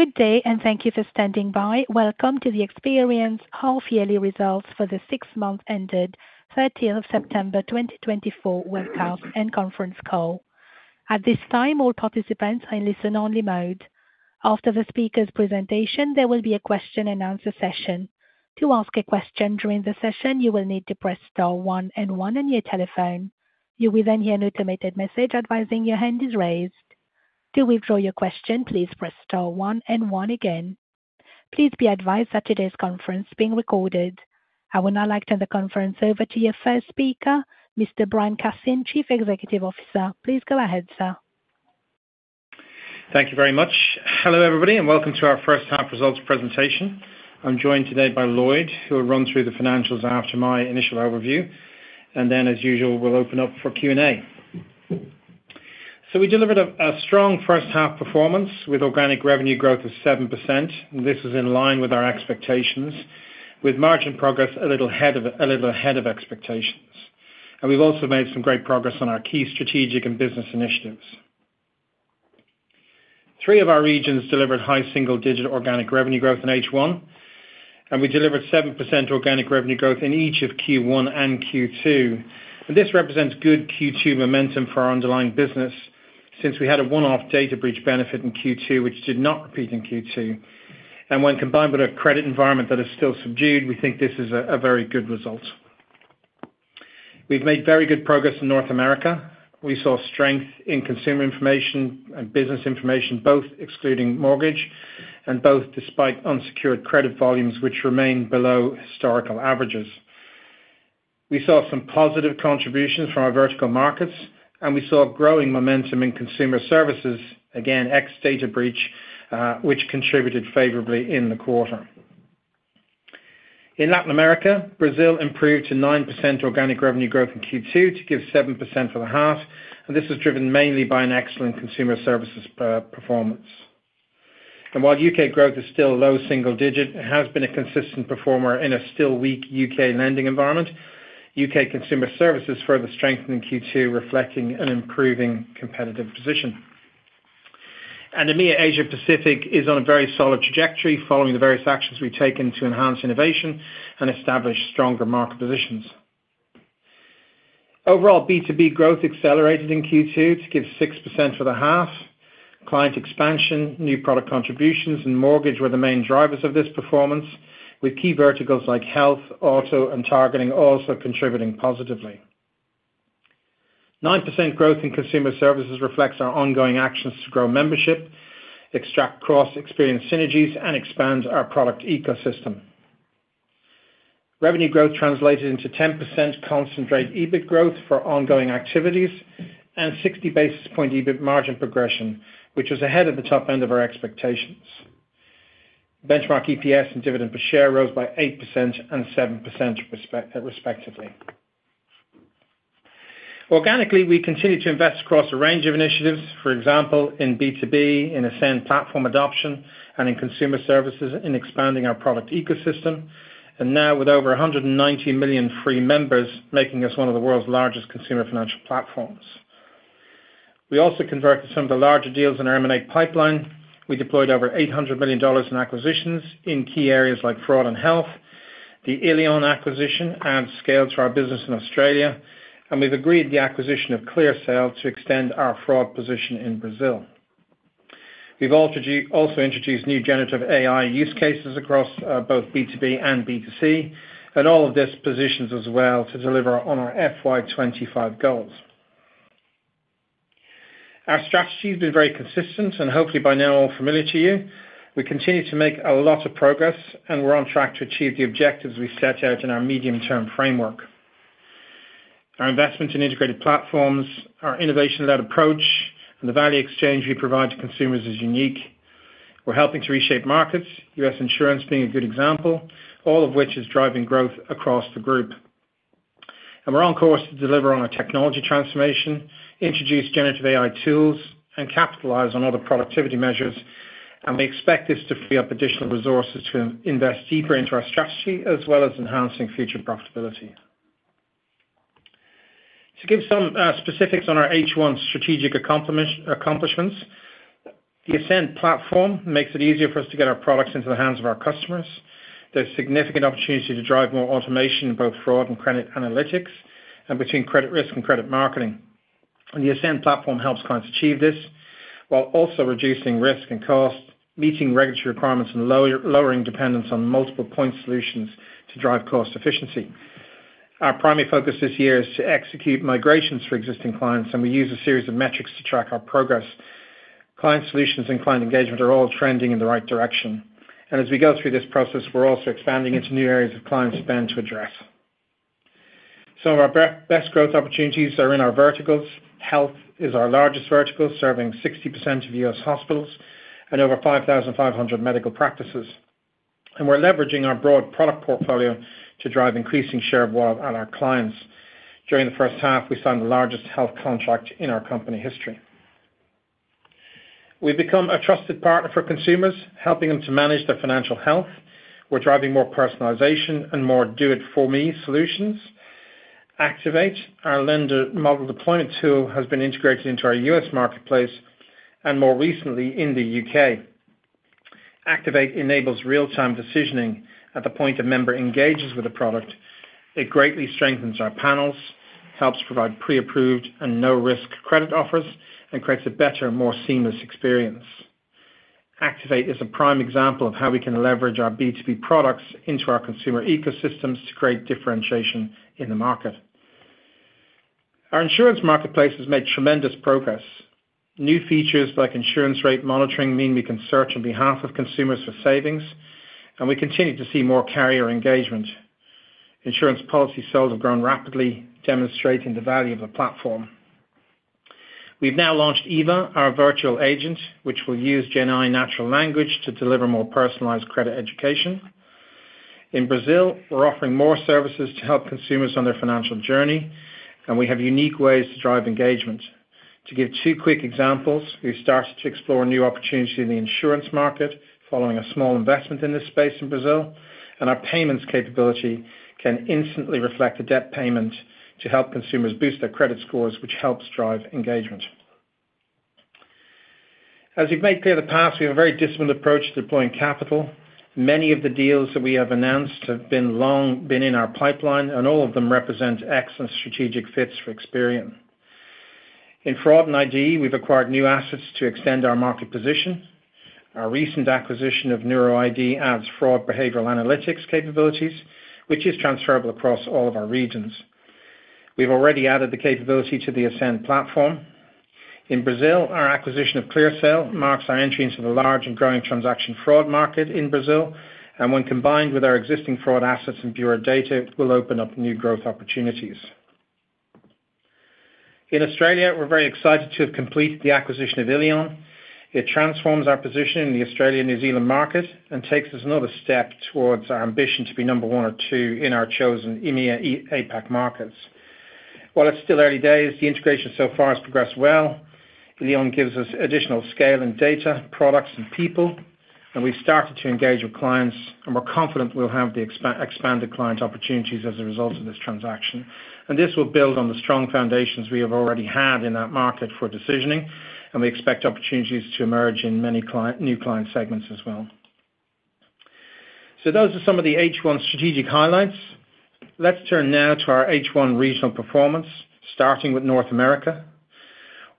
Good day, and thank you for standing by. Welcome to the Experian's half-yearly results for the six-month-ended, 30th of September 2024, webcast and conference call. At this time, all participants are in listen-only mode. After the speaker's presentation, there will be a question-and-answer session. To ask a question during the session, you will need to press star one and one on your telephone. You will then hear an automated message advising your hand is raised. To withdraw your question, please press star one and one again. Please be advised that today's conference is being recorded. I will now like to turn the conference over to your first speaker, Mr. Brian Cassin, Chief Executive Officer. Please go ahead, sir. Thank you very much. Hello, everybody, and welcome to our first half results presentation. I'm joined today by Lloyd, who will run through the financials after my initial overview, and then, as usual, we'll open up for Q&A, so we delivered a strong first half performance with organic revenue growth of 7%. This was in line with our expectations, with margin progress a little ahead of expectations, and we've also made some great progress on our key strategic and business initiatives. Three of our regions delivered high single-digit organic revenue growth in H1, and we delivered 7% organic revenue growth in each of Q1 and Q2, and this represents good Q2 momentum for our underlying business since we had a one-off data breach benefit in Q2, which did not repeat in Q2. When combined with a credit environment that is still subdued, we think this is a very good result. We've made very good progress in North America. We saw strength in consumer information and business information, both excluding mortgage and both despite unsecured credit volumes, which remain below historical averages. We saw some positive contributions from our vertical markets, and we saw growing momentum in consumer services, again, ex-data breach, which contributed favorably in the quarter. In Latin America, Brazil improved to 9% organic revenue growth in Q2 to give 7% for the half, and this was driven mainly by an excellent consumer services performance. While UK growth is still low single-digit, it has been a consistent performer in a still weak UK lending environment. UK consumer services further strengthened in Q2, reflecting an improving competitive position. EMEA Asia Pacific is on a very solid trajectory following the various actions we've taken to enhance innovation and establish stronger market positions. Overall, B2B growth accelerated in Q2 to give 6% for the half. Client expansion, new product contributions, and mortgage were the main drivers of this performance, with key verticals like health, auto, and targeting also contributing positively. 9% growth in consumer services reflects our ongoing actions to grow membership, extract cross-experience synergies, and expand our product ecosystem. Revenue growth translated into 10% constant EBIT growth for ongoing activities and 60 basis points EBIT margin progression, which was ahead of the top end of our expectations. Underlying EPS and dividend per share rose by 8% and 7% respectively. Organically, we continue to invest across a range of initiatives, for example, in B2B, in Ascend platform adoption, and in consumer services in expanding our product ecosystem, and now with over 190 million free members making us one of the world's largest consumer financial platforms. We also converted some of the larger deals in our M&A pipeline. We deployed over $800 million in acquisitions in key areas like fraud and health. The illion acquisition adds scale to our business in Australia, and we've agreed the acquisition of ClearSale to extend our fraud position in Brazil. We've also introduced new generative AI use cases across both B2B and B2C, and all of this positions us well to deliver on our FY 2025 goals. Our strategy has been very consistent, and hopefully by now all familiar to you. We continue to make a lot of progress, and we're on track to achieve the objectives we set out in our medium-term framework. Our investment in integrated platforms, our innovation-led approach, and the value exchange we provide to consumers is unique. We're helping to reshape markets, U.S. insurance being a good example, all of which is driving growth across the group, and we're on course to deliver on our technology transformation, introduce generative AI tools, and capitalize on other productivity measures, and we expect this to free up additional resources to invest deeper into our strategy as well as enhancing future profitability. To give some specifics on our H1 strategic accomplishments, the Ascend platform makes it easier for us to get our products into the hands of our customers. There's significant opportunity to drive more automation in both fraud and credit analytics and between credit risk and credit marketing. The Ascend platform helps clients achieve this while also reducing risk and cost, meeting regulatory requirements and lowering dependence on multiple point solutions to drive cost efficiency. Our primary focus this year is to execute migrations for existing clients, and we use a series of metrics to track our progress. Client solutions and client engagement are all trending in the right direction. As we go through this process, we're also expanding into new areas of client spend to address. Some of our best growth opportunities are in our verticals. Health is our largest vertical, serving 60% of U.S. hospitals and over 5,500 medical practices. We're leveraging our broad product portfolio to drive increasing share of wallet on our clients. During the first half, we signed the largest health contract in our company history. We've become a trusted partner for consumers, helping them to manage their financial health. We're driving more personalization and more do-it-for-me solutions. Activate, our lender model deployment tool, has been integrated into our U.S. marketplace and more recently in the U.K. Activate enables real-time decisioning at the point a member engages with a product. It greatly strengthens our panels, helps provide pre-approved and no-risk credit offers, and creates a better, more seamless experience. Activate is a prime example of how we can leverage our B2B products into our consumer ecosystems to create differentiation in the market. Our insurance marketplace has made tremendous progress. New features like insurance rate monitoring mean we can search on behalf of consumers for savings, and we continue to see more carrier engagement. Insurance policy sales have grown rapidly, demonstrating the value of the platform. We've now launched Eva, our virtual agent, which will use Gen AI natural language to deliver more personalized credit education. In Brazil, we're offering more services to help consumers on their financial journey, and we have unique ways to drive engagement. To give two quick examples, we've started to explore new opportunities in the insurance market following a small investment in this space in Brazil, and our payments capability can instantly reflect a debt payment to help consumers boost their credit scores, which helps drive engagement. As we've made clear in the past, we have a very disciplined approach to deploying capital. Many of the deals that we have announced have been in our pipeline, and all of them represent excellent strategic fits for Experian. In fraud and ID, we've acquired new assets to extend our market position. Our recent acquisition of NeuroID adds fraud behavioral analytics capabilities, which is transferable across all of our regions. We've already added the capability to the Ascend platform. In Brazil, our acquisition of ClearSale marks our entry into the large and growing transaction fraud market in Brazil, and when combined with our existing fraud assets and Bureau data, it will open up new growth opportunities. In Australia, we're very excited to have completed the acquisition of illion. It transforms our position in the Australia-New Zealand market and takes us another step towards our ambition to be number one or two in our chosen EMEA APAC markets. While it's still early days, the integration so far has progressed well. illion gives us additional scale in data, products, and people, and we've started to engage with clients, and we're confident we'll have the expanded client opportunities as a result of this transaction. And this will build on the strong foundations we have already had in that market for decisioning, and we expect opportunities to emerge in many new client segments as well. So those are some of the H1 strategic highlights. Let's turn now to our H1 regional performance, starting with North America.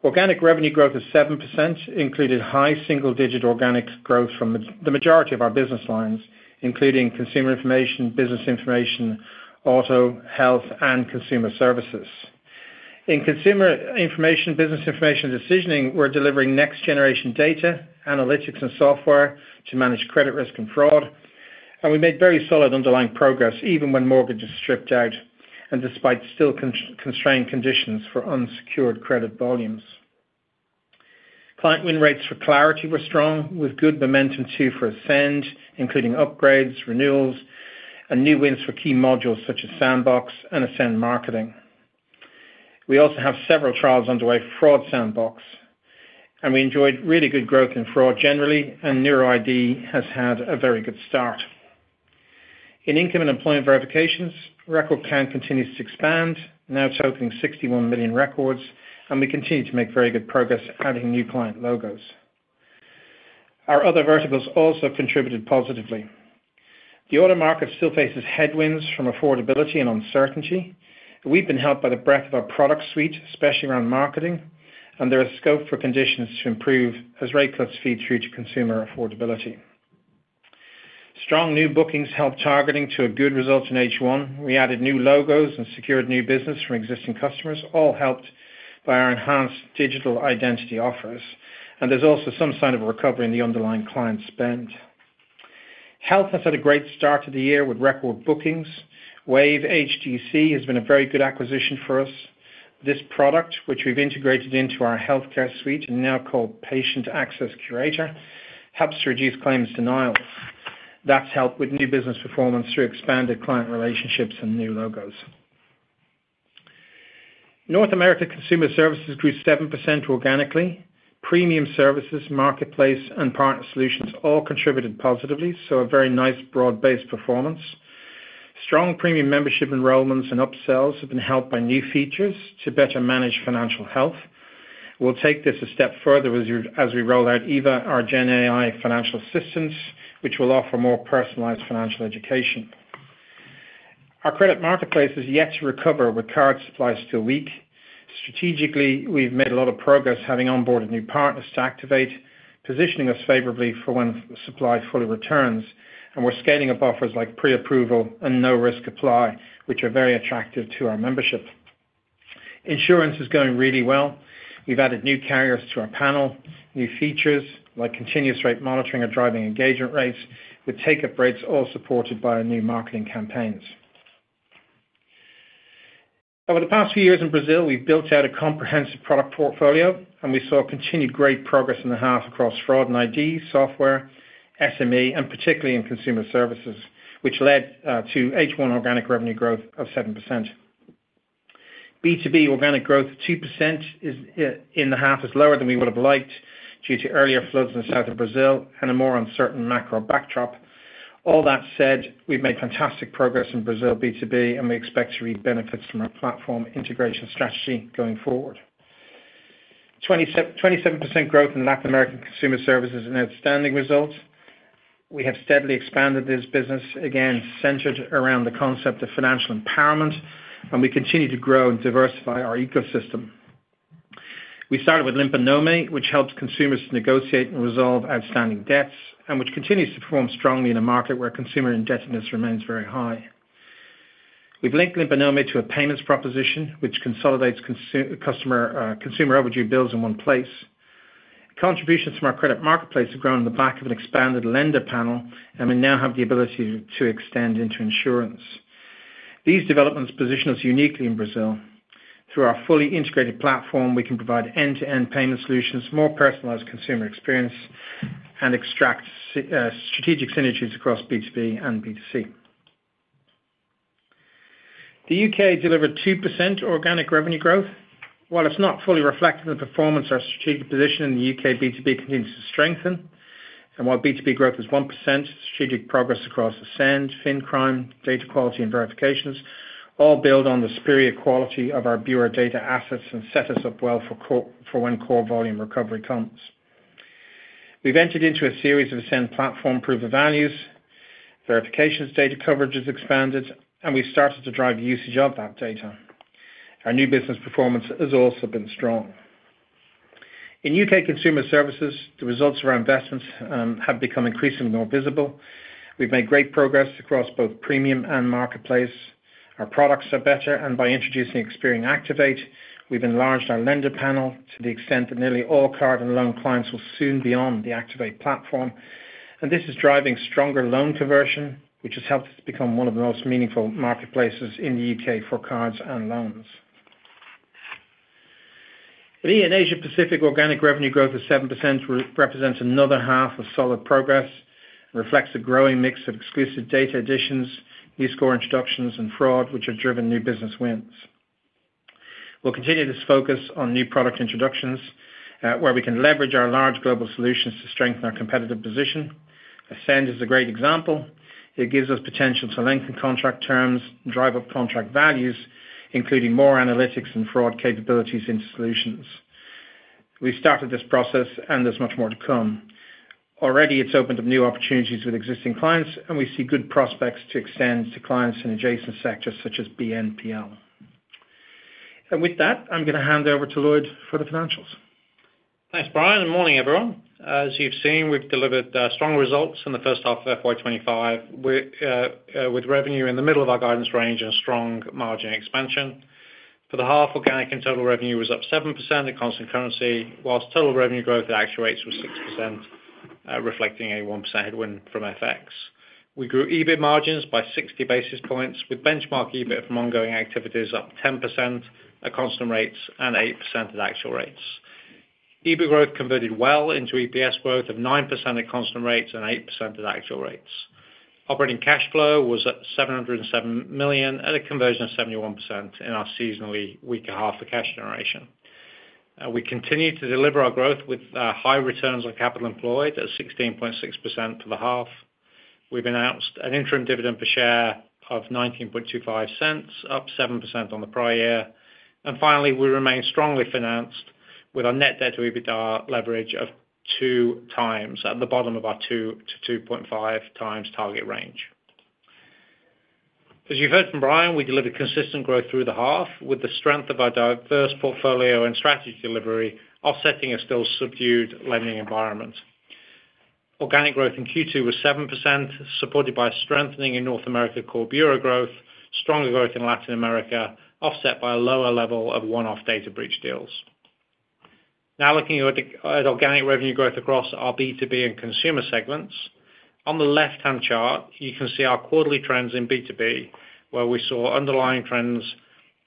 Organic revenue growth of 7% included high single-digit organic growth from the majority of our business lines, including consumer information, business information, auto, health, and consumer services. In consumer information, business information, and decisioning, we're delivering next-generation data, analytics, and software to manage credit risk and fraud, and we made very solid underlying progress even when mortgages stripped out and despite still constrained conditions for unsecured credit volumes. Client win rates for Clarity were strong, with good momentum too for Ascend, including upgrades, renewals, and new wins for key modules such as Sandbox and Ascend Marketing. We also have several trials underway for Fraud Sandbox, and we enjoyed really good growth in fraud generally, and NeuroID has had a very good start. In income and employment verifications, record count continues to expand, now totaling 61 million records, and we continue to make very good progress adding new client logos. Our other verticals also contributed positively. The auto market still faces headwinds from affordability and uncertainty. We've been helped by the breadth of our product suite, especially around marketing, and there is scope for conditions to improve as rate cuts feed through to consumer affordability. Strong new bookings helped targeting to a good result in H1. We added new logos and secured new business from existing customers, all helped by our enhanced digital identity offers, and there's also some sign of a recovery in the underlying client spend. Health has had a great start to the year with record bookings. Wave HDC has been a very good acquisition for us. This product, which we've integrated into our healthcare suite and now called Patient Access Curator, helps to reduce claims denials. That's helped with new business performance through expanded client relationships and new logos. North America consumer services grew 7% organically. Premium services, marketplace, and partner solutions all contributed positively, so a very nice broad-based performance. Strong premium membership enrollments and upsells have been helped by new features to better manage financial health. We'll take this a step further as we roll out Eva, our Gen AI financial assistant, which will offer more personalized financial education. Our credit marketplace is yet to recover with current supplies still weak. Strategically, we've made a lot of progress having onboarded new partners to Activate, positioning us favorably for when supply fully returns, and we're scaling up offers like pre-approval and no-risk apply, which are very attractive to our membership. Insurance is going really well. We've added new carriers to our panel, new features like continuous rate monitoring or driving engagement rates, with take-up rates all supported by our new marketing campaigns. Over the past few years in Brazil, we've built out a comprehensive product portfolio, and we saw continued great progress in the half across fraud and ID, software, SME, and particularly in consumer services, which led to H1 organic revenue growth of 7%. B2B organic growth of 2% in the half is lower than we would have liked due to earlier floods in the south of Brazil and a more uncertain macro backdrop. All that said, we've made fantastic progress in Brazil B2B, and we expect to reap benefits from our platform integration strategy going forward. 27% growth in Latin American consumer services and outstanding results. We have steadily expanded this business, again centered around the concept of financial empowerment, and we continue to grow and diversify our ecosystem. We started with Limpa Nome, which helps consumers to negotiate and resolve outstanding debts, and which continues to perform strongly in a market where consumer indebtedness remains very high. We've linked Limpa Nome to a payments proposition, which consolidates consumer overdue bills in one place. Contributions from our credit marketplace have grown on the back of an expanded lender panel, and we now have the ability to extend into insurance. These developments position us uniquely in Brazil. Through our fully integrated platform, we can provide end-to-end payment solutions, more personalized consumer experience, and extract strategic synergies across B2B and B2C. The UK delivered 2% organic revenue growth. While it's not fully reflected in the performance, our strategic position in the UK B2B continues to strengthen. And while B2B growth is 1%, strategic progress across Ascend, FinCrime, data quality, and verifications all build on the superior quality of our Bureau data assets and set us up well for when core volume recovery comes. We've entered into a series of Ascend platform proof of values. Verifications data coverage is expanded, and we've started to drive usage of that data. Our new business performance has also been strong. In UK consumer services, the results of our investments have become increasingly more visible. We've made great progress across both premium and marketplace. Our products are better, and by introducing Experian Activate, we've enlarged our lender panel to the extent that nearly all card and loan clients will soon be on the Activate platform. And this is driving stronger loan conversion, which has helped us become one of the most meaningful marketplaces in the U.K. for cards and loans. The Asia-Pacific organic revenue growth of 7% represents another half of solid progress and reflects a growing mix of exclusive data additions, new score introductions, and fraud, which have driven new business wins. We'll continue this focus on new product introductions where we can leverage our large global solutions to strengthen our competitive position. Ascend is a great example. It gives us potential to lengthen contract terms and drive up contract values, including more analytics and fraud capabilities into solutions. We've started this process, and there's much more to come. Already, it's opened up new opportunities with existing clients, and we see good prospects to extend to clients in adjacent sectors such as BNPL. And with that, I'm going to hand over to Lloyd for the financials. Thanks, Brian. Good morning, everyone. As you've seen, we've delivered strong results in the first half of FY 2025 with revenue in the middle of our guidance range and a strong margin expansion. For the half, organic and total revenue was up 7% in constant currency, while total revenue growth at actuals was 6%, reflecting a 1% headwind from FX. We grew EBIT margins by 60 basis points, with benchmark EBIT from ongoing activities up 10% at constant rates and 8% at actual rates. EBIT growth converted well into EPS growth of 9% at constant rates and 8% at actual rates. Operating cash flow was at $707 million at a conversion of 71% in our seasonally weaker half of cash generation. We continue to deliver our growth with high returns on capital employed at 16.6% for the half. We've announced an interim dividend per share of $0.1925, up 7% on the prior year. And finally, we remain strongly financed with our net debt to EBIT leverage of two times at the bottom of our 2 to 2.5 times target range. As you've heard from Brian, we delivered consistent growth through the half with the strength of our diverse portfolio and strategy delivery, offsetting a still subdued lending environment. Organic growth in Q2 was 7%, supported by strengthening in North America core Bureau growth, stronger growth in Latin America, offset by a lower level of one-off data breach deals. Now looking at organic revenue growth across our B2B and consumer segments, on the left-hand chart, you can see our quarterly trends in B2B, where we saw underlying trends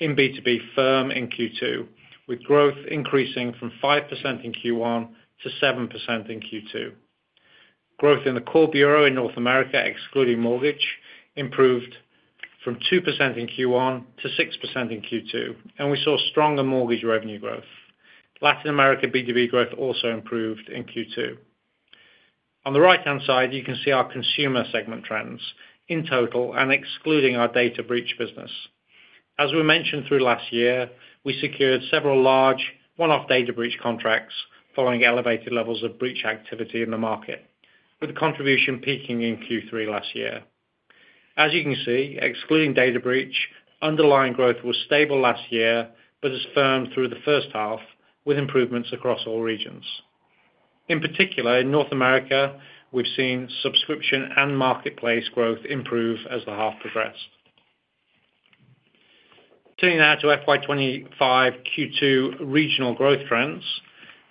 in B2B firming in Q2, with growth increasing from 5% in Q1 to 7% in Q2. Growth in the core Bureau in North America, excluding mortgage, improved from 2% in Q1 to 6% in Q2, and we saw stronger mortgage revenue growth. Latin America B2B growth also improved in Q2. On the right-hand side, you can see our consumer segment trends in total and excluding our data breach business. As we mentioned through last year, we secured several large one-off data breach contracts following elevated levels of breach activity in the market, with contribution peaking in Q3 last year. As you can see, excluding data breach, underlying growth was stable last year, but has firmed through the first half with improvements across all regions. In particular, in North America, we've seen subscription and marketplace growth improve as the half progressed. Turning now to FY 2025 Q2 regional growth trends,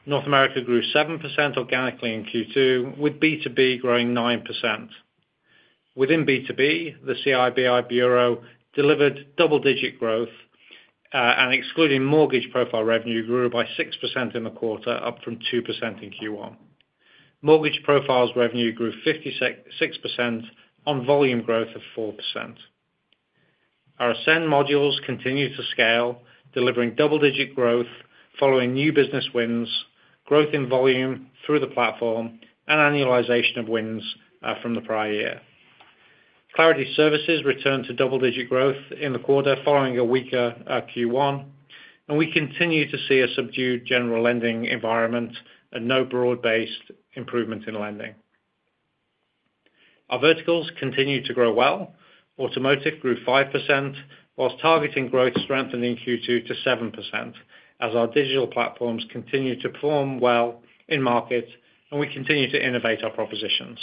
North America grew 7% organically in Q2, with B2B growing 9%. Within B2B, the CIBI Bureau delivered double-digit growth, and excluding mortgage profile revenue grew by 6% in the quarter, up from 2% in Q1. Mortgage profiles revenue grew 56% on volume growth of 4%. Our Ascend modules continue to scale, delivering double-digit growth following new business wins, growth in volume through the platform, and annualization of wins from the prior year. Clarity Services returned to double-digit growth in the quarter following a weaker Q1, and we continue to see a subdued general lending environment and no broad-based improvement in lending. Our verticals continue to grow well. Automotive grew 5%, while targeting growth strengthened in Q2 to 7%, as our digital platforms continue to perform well in markets, and we continue to innovate our propositions.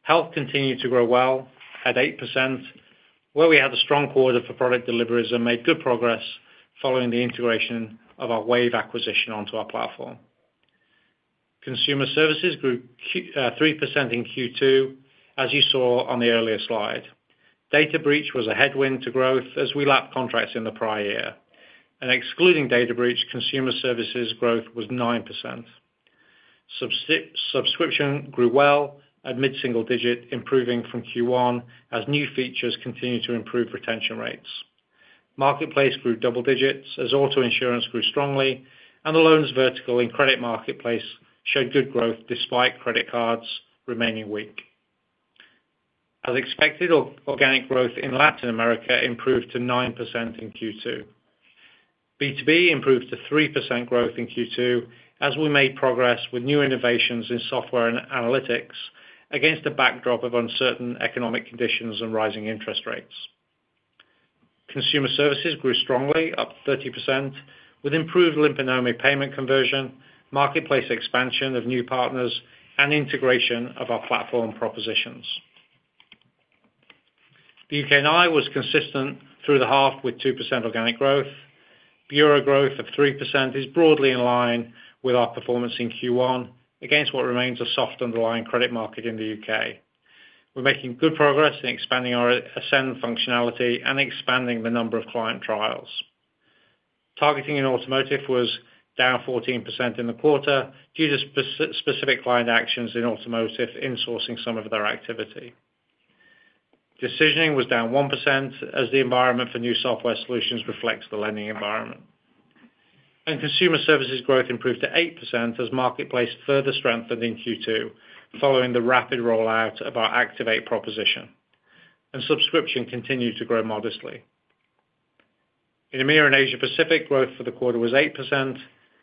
Health continued to grow well at 8%, where we had a strong quarter for product deliveries and made good progress following the integration of our Wave acquisition onto our platform. Consumer services grew 3% in Q2, as you saw on the earlier slide. Data breach was a headwind to growth as we lapped contracts in the prior year. Excluding data breach, consumer services growth was 9%. Subscription grew well, at mid-single digit, improving from Q1 as new features continued to improve retention rates. Marketplace grew double digits as auto insurance grew strongly, and the loans vertical in credit marketplace showed good growth despite credit cards remaining weak. As expected, organic growth in Latin America improved to 9% in Q2. B2B improved to 3% growth in Q2 as we made progress with new innovations in software and analytics against a backdrop of uncertain economic conditions and rising interest rates. Consumer services grew strongly, up 30%, with improved Limpa Nome payment conversion, marketplace expansion of new partners, and integration of our platform propositions. The UK and Ireland was consistent through the half with 2% organic growth. Bureau growth of 3% is broadly in line with our performance in Q1 against what remains a soft underlying credit market in the UK. We're making good progress in expanding our Ascend functionality and expanding the number of client trials. Targeting in automotive was down 14% in the quarter due to specific client actions in automotive in sourcing some of their activity. Decisioning was down 1% as the environment for new software solutions reflects the lending environment. Consumer services growth improved to 8% as marketplace further strengthened in Q2 following the rapid rollout of our Activate proposition. Subscription continued to grow modestly. In EMEA and Asia-Pacific, growth for the quarter was 8%,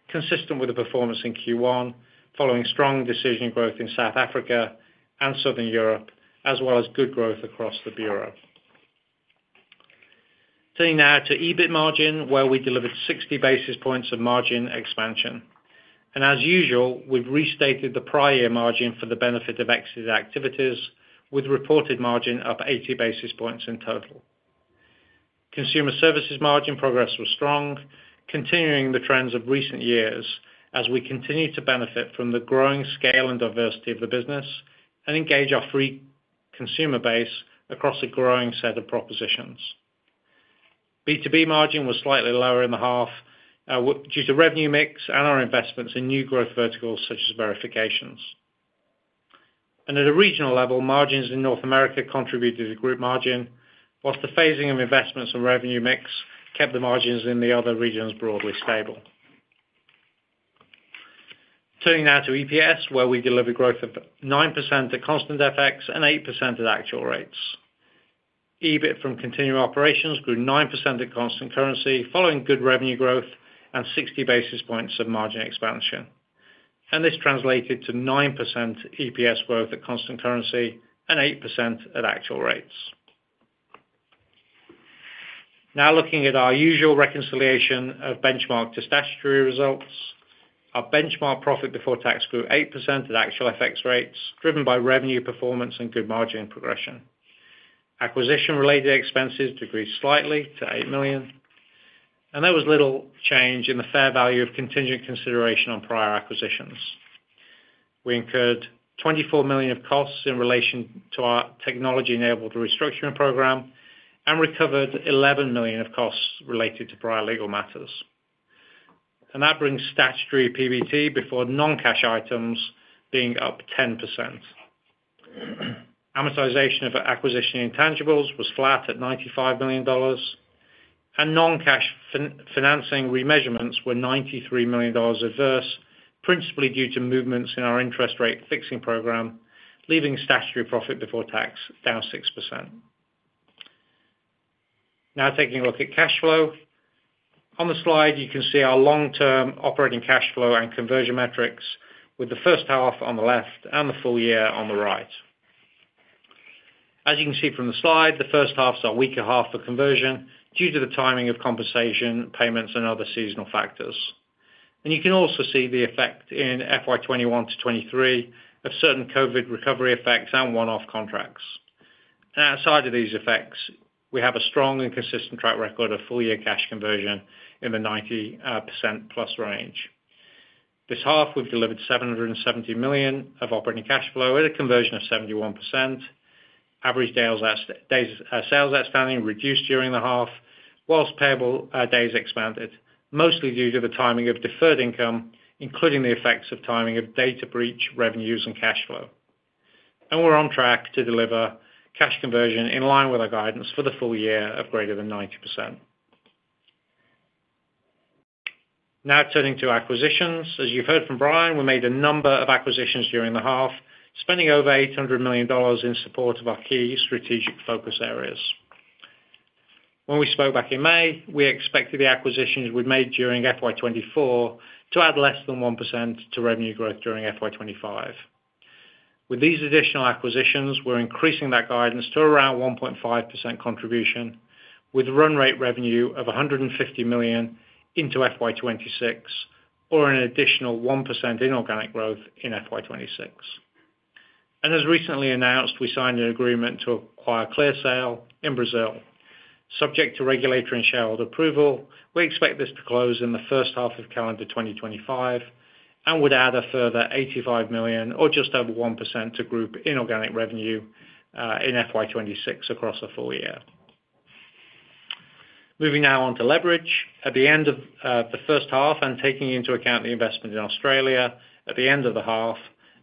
consistent with the performance in Q1 following strong decision growth in South Africa and Southern Europe, as well as good growth across the Bureau. Turning now to EBIT margin, where we delivered 60 basis points of margin expansion. As usual, we've restated the prior year margin for the benefit of exited activities, with reported margin up 80 basis points in total. Consumer services margin progress was strong, continuing the trends of recent years as we continue to benefit from the growing scale and diversity of the business and engage our free consumer base across a growing set of propositions. B2B margin was slightly lower in the half due to revenue mix and our investments in new growth verticals such as verifications. And at a regional level, margins in North America contributed to group margin, whilst the phasing of investments and revenue mix kept the margins in the other regions broadly stable. Turning now to EPS, where we delivered growth of 9% at constant FX and 8% at actual rates. EBIT from continuing operations grew 9% at constant currency following good revenue growth and 60 basis points of margin expansion. And this translated to 9% EPS growth at constant currency and 8% at actual rates. Now looking at our usual reconciliation of benchmark to statutory results, our benchmark profit before tax grew 8% at actual FX rates, driven by revenue performance and good margin progression. Acquisition-related expenses decreased slightly to $8 million. And there was little change in the fair value of contingent consideration on prior acquisitions. We incurred $24 million of costs in relation to our technology-enabled restructuring program and recovered $11 million of costs related to prior legal matters. And that brings statutory PBT before non-cash items being up 10%. Amortization of acquisition intangibles was flat at $95 million. And non-cash financing remeasurements were $93 million adverse, principally due to movements in our interest rate fixing program, leaving statutory profit before tax down 6%. Now taking a look at cash flow. On the slide, you can see our long-term operating cash flow and conversion metrics, with the first half on the left and the full year on the right. As you can see from the slide, the first half is our weaker half for conversion due to the timing of compensation, payments, and other seasonal factors. You can also see the effect in FY21 to 23 of certain COVID recovery effects and one-off contracts. Outside of these effects, we have a strong and consistent track record of full-year cash conversion in the 90% plus range. This half, we've delivered $770 million of operating cash flow at a conversion of 71%. Average sales outstanding reduced during the half, while payable days expanded, mostly due to the timing of deferred income, including the effects of timing of data breach, revenues, and cash flow. And we're on track to deliver cash conversion in line with our guidance for the full year of greater than 90%. Now turning to acquisitions. As you've heard from Brian, we made a number of acquisitions during the half, spending over $800 million in support of our key strategic focus areas. When we spoke back in May, we expected the acquisitions we'd made during FY 2024 to add less than 1% to revenue growth during FY 2025. With these additional acquisitions, we're increasing that guidance to around 1.5% contribution, with run rate revenue of 150 million into FY 2026, or an additional 1% in organic growth in FY 2026. And as recently announced, we signed an agreement to acquire ClearSale in Brazil. Subject to regulatory and shareholder approval, we expect this to close in the first half of calendar 2025 and would add a further 85 million or just over 1% to group inorganic revenue in FY 2026 across the full year. Moving now on to leverage. At the end of the first half, and taking into account the investment in Australia at the end of the half,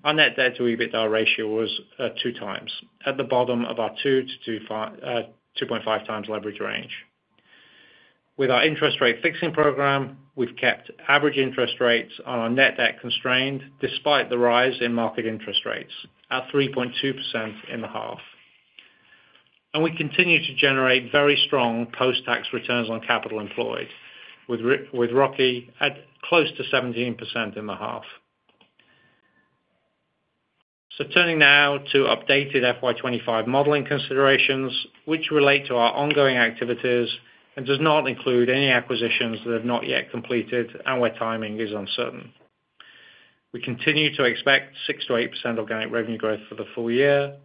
our net debt to EBIT ratio was 2 times, at the bottom of our 2-2.5 times leverage range. With our interest rate fixing program, we've kept average interest rates on our net debt constrained despite the rise in market interest rates at 3.2% in the half, and we continue to generate very strong post-tax returns on capital employed, with ROCE at close to 17% in the half. Turning now to updated FY 2025 modeling considerations, which relate to our ongoing activities and does not include any acquisitions that have not yet completed and where timing is uncertain. We continue to expect 6%-8% organic revenue growth for the full year.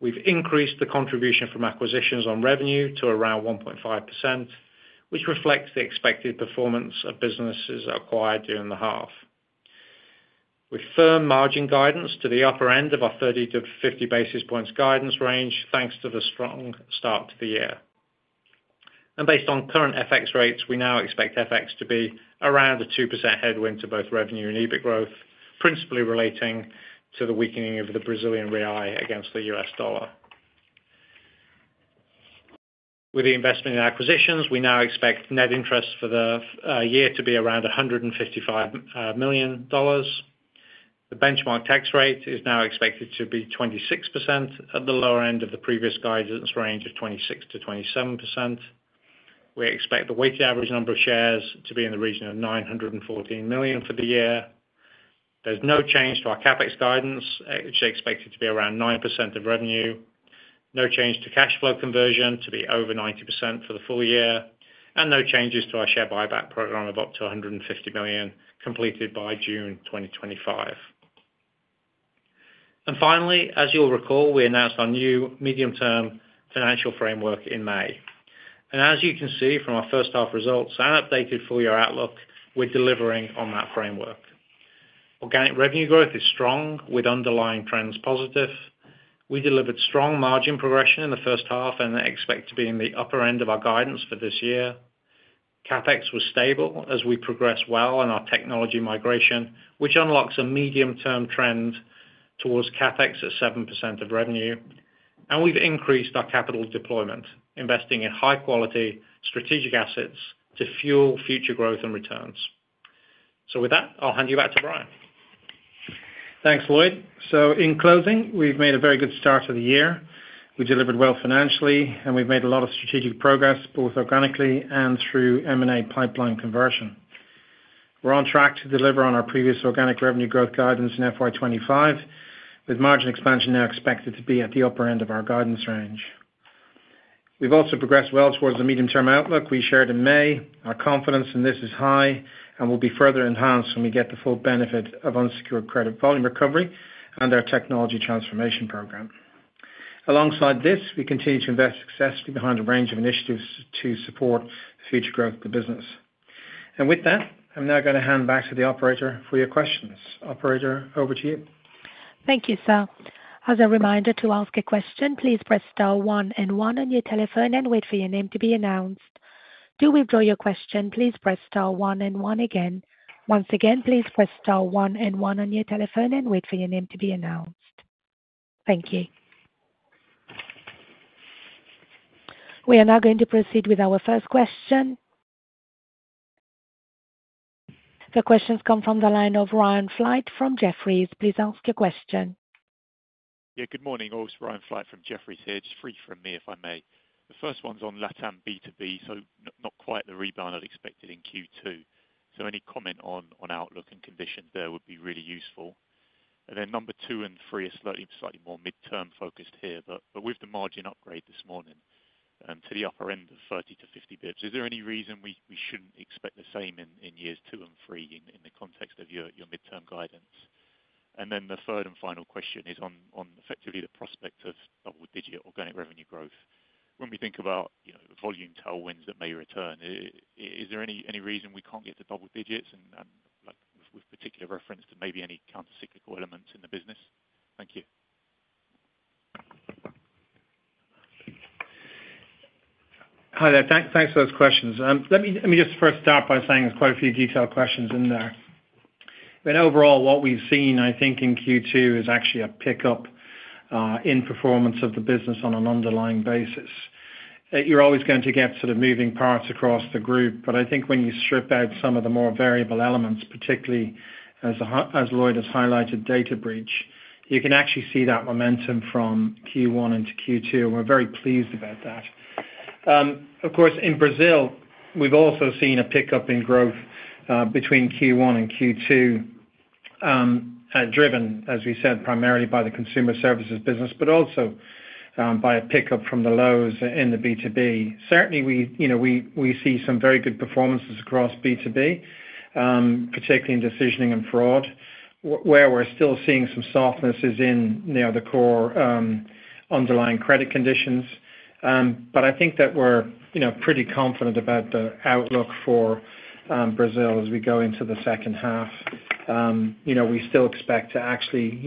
We've increased the contribution from acquisitions on revenue to around 1.5%, which reflects the expected performance of businesses acquired during the half. With firm margin guidance to the upper end of our 30-50 basis points guidance range, thanks to the strong start to the year. Based on current FX rates, we now expect FX to be around a 2% headwind to both revenue and EBIT growth, principally relating to the weakening of the Brazilian real against the US dollar. With the investment in acquisitions, we now expect net interest for the year to be around $155 million. The benchmark tax rate is now expected to be 26% at the lower end of the previous guidance range of 26%-27%. We expect the weighted average number of shares to be in the region of 914 million for the year. There's no change to our CapEx guidance, which is expected to be around 9% of revenue. No change to cash flow conversion to be over 90% for the full year. And no changes to our share buyback program of up to 150 million, completed by June 2025. And finally, as you'll recall, we announced our new medium-term financial framework in May. And as you can see from our first half results and updated full year outlook, we're delivering on that framework. Organic revenue growth is strong with underlying trends positive. We delivered strong margin progression in the first half and expect to be in the upper end of our guidance for this year. CapEx was stable as we progressed well on our technology migration, which unlocks a medium-term trend towards CapEx at 7% of revenue, and we've increased our capital deployment, investing in high-quality strategic assets to fuel future growth and returns, so with that, I'll hand you back to Brian. Thanks, Lloyd, so in closing, we've made a very good start to the year. We delivered well financially, and we've made a lot of strategic progress both organically and through M&A pipeline conversion. We're on track to deliver on our previous organic revenue growth guidance in FY 2025, with margin expansion now expected to be at the upper end of our guidance range. We've also progressed well towards the medium-term outlook we shared in May. Our confidence in this is high and will be further enhanced when we get the full benefit of unsecured credit volume recovery and our technology transformation program. Alongside this, we continue to invest successfully behind a range of initiatives to support future growth of the business. With that, I'm now going to hand back to the operator for your questions. Operator, over to you. Thank you, sir. As a reminder to ask a question, please press star one and one on your telephone and wait for your name to be announced. To withdraw your question, please press star one and one again. Once again, please press star one and one on your telephone and wait for your name to be announced. Thank you. We are now going to proceed with our first question. The questions come from the line of Ryan Flight from Jefferies. Please ask your question. Yeah, good morning. It's Ryan Flight from Jefferies here. Just briefly from me, if I may. The first one's on LATAM B2B, so not quite the rebound I'd expected in Q2. So any comment on outlook and conditions there would be really useful. And then number two and three are slightly more midterm focused here, but with the margin upgrade this morning to the upper end of 30 to 50 basis points, is there any reason we shouldn't expect the same in years two and three in the context of your midterm guidance? And then the third and final question is on effectively the prospect of double-digit organic revenue growth. When we think about volume tailwinds that may return, is there any reason we can't get to double digits? And with particular reference to maybe any countercyclical elements in the business? Thank you. Hi there. Thanks for those questions. Let me just first start by saying there's quite a few detailed questions in there. And overall, what we've seen, I think, in Q2 is actually a pickup in performance of the business on an underlying basis. You're always going to get sort of moving parts across the group, but I think when you strip out some of the more variable elements, particularly as Lloyd has highlighted, data breach, you can actually see that momentum from Q1 into Q2, and we're very pleased about that. Of course, in Brazil, we've also seen a pickup in growth between Q1 and Q2, driven, as we said, primarily by the consumer services business, but also by a pickup from the lows in the B2B. Certainly, we see some very good performances across B2B, particularly in decisioning and fraud, where we're still seeing some softnesses in the other core underlying credit conditions. But I think that we're pretty confident about the outlook for Brazil as we go into the second half. We still expect to actually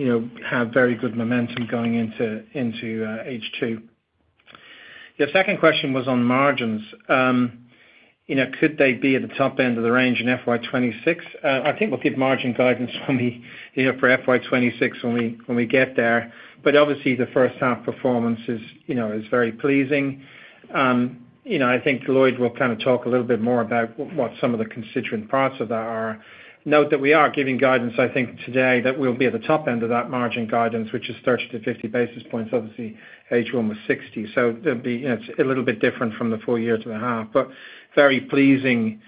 have very good momentum going into H2. Your second question was on margins. Could they be at the top end of the range in FY 2026? I think we'll give margin guidance for FY 2026 when we get there. But obviously, the first half performance is very pleasing. I think Lloyd will kind of talk a little bit more about what some of the constituent parts of that are. Note that we are giving guidance, I think, today that we'll be at the top end of that margin guidance, which is 30 to 50 basis points. Obviously, H1 was 60. So it's a little bit different from the full year to the half, but very pleasing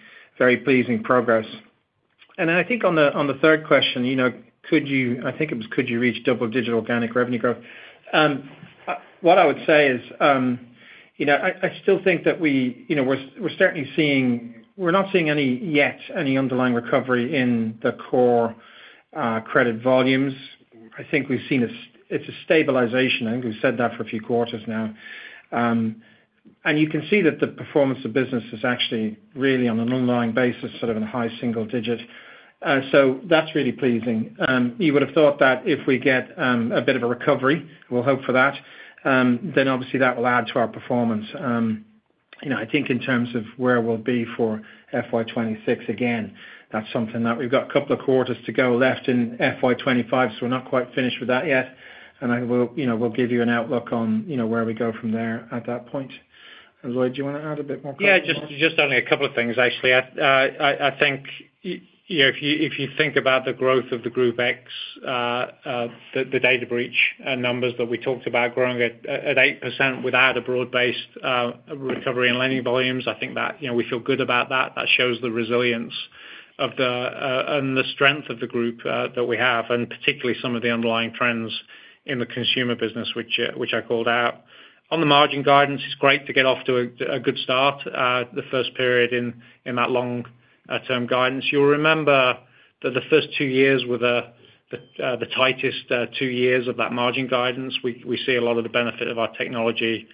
progress. I think on the third question, could you—I think it was—could you reach double-digit organic revenue growth? What I would say is I still think that we're certainly seeing—we're not seeing yet any underlying recovery in the core credit volumes. I think we've seen a—it's a stabilization. I think we've said that for a few quarters now. You can see that the performance of business is actually really on an underlying basis, sort of in a high single digit. That's really pleasing. You would have thought that if we get a bit of a recovery, we'll hope for that, then obviously that will add to our performance. I think in terms of where we'll be for FY 2026, again, that's something that we've got a couple of quarters to go left in FY 2025, so we're not quite finished with that yet. I will give you an outlook on where we go from there at that point. Lloyd, do you want to add a bit more? Yeah, just only a couple of things, actually. I think if you think about the growth of the Group ex, the data business numbers that we talked about growing at 8% without a broad-based recovery in lending volumes, I think that we feel good about that. That shows the resilience and the strength of the group that we have, and particularly some of the underlying trends in the consumer business, which I called out. On the margin guidance, it's great to get off to a good start, the first period in that long-term guidance. You'll remember that the first two years were the tightest two years of that margin guidance. We see a lot of the benefit of our technology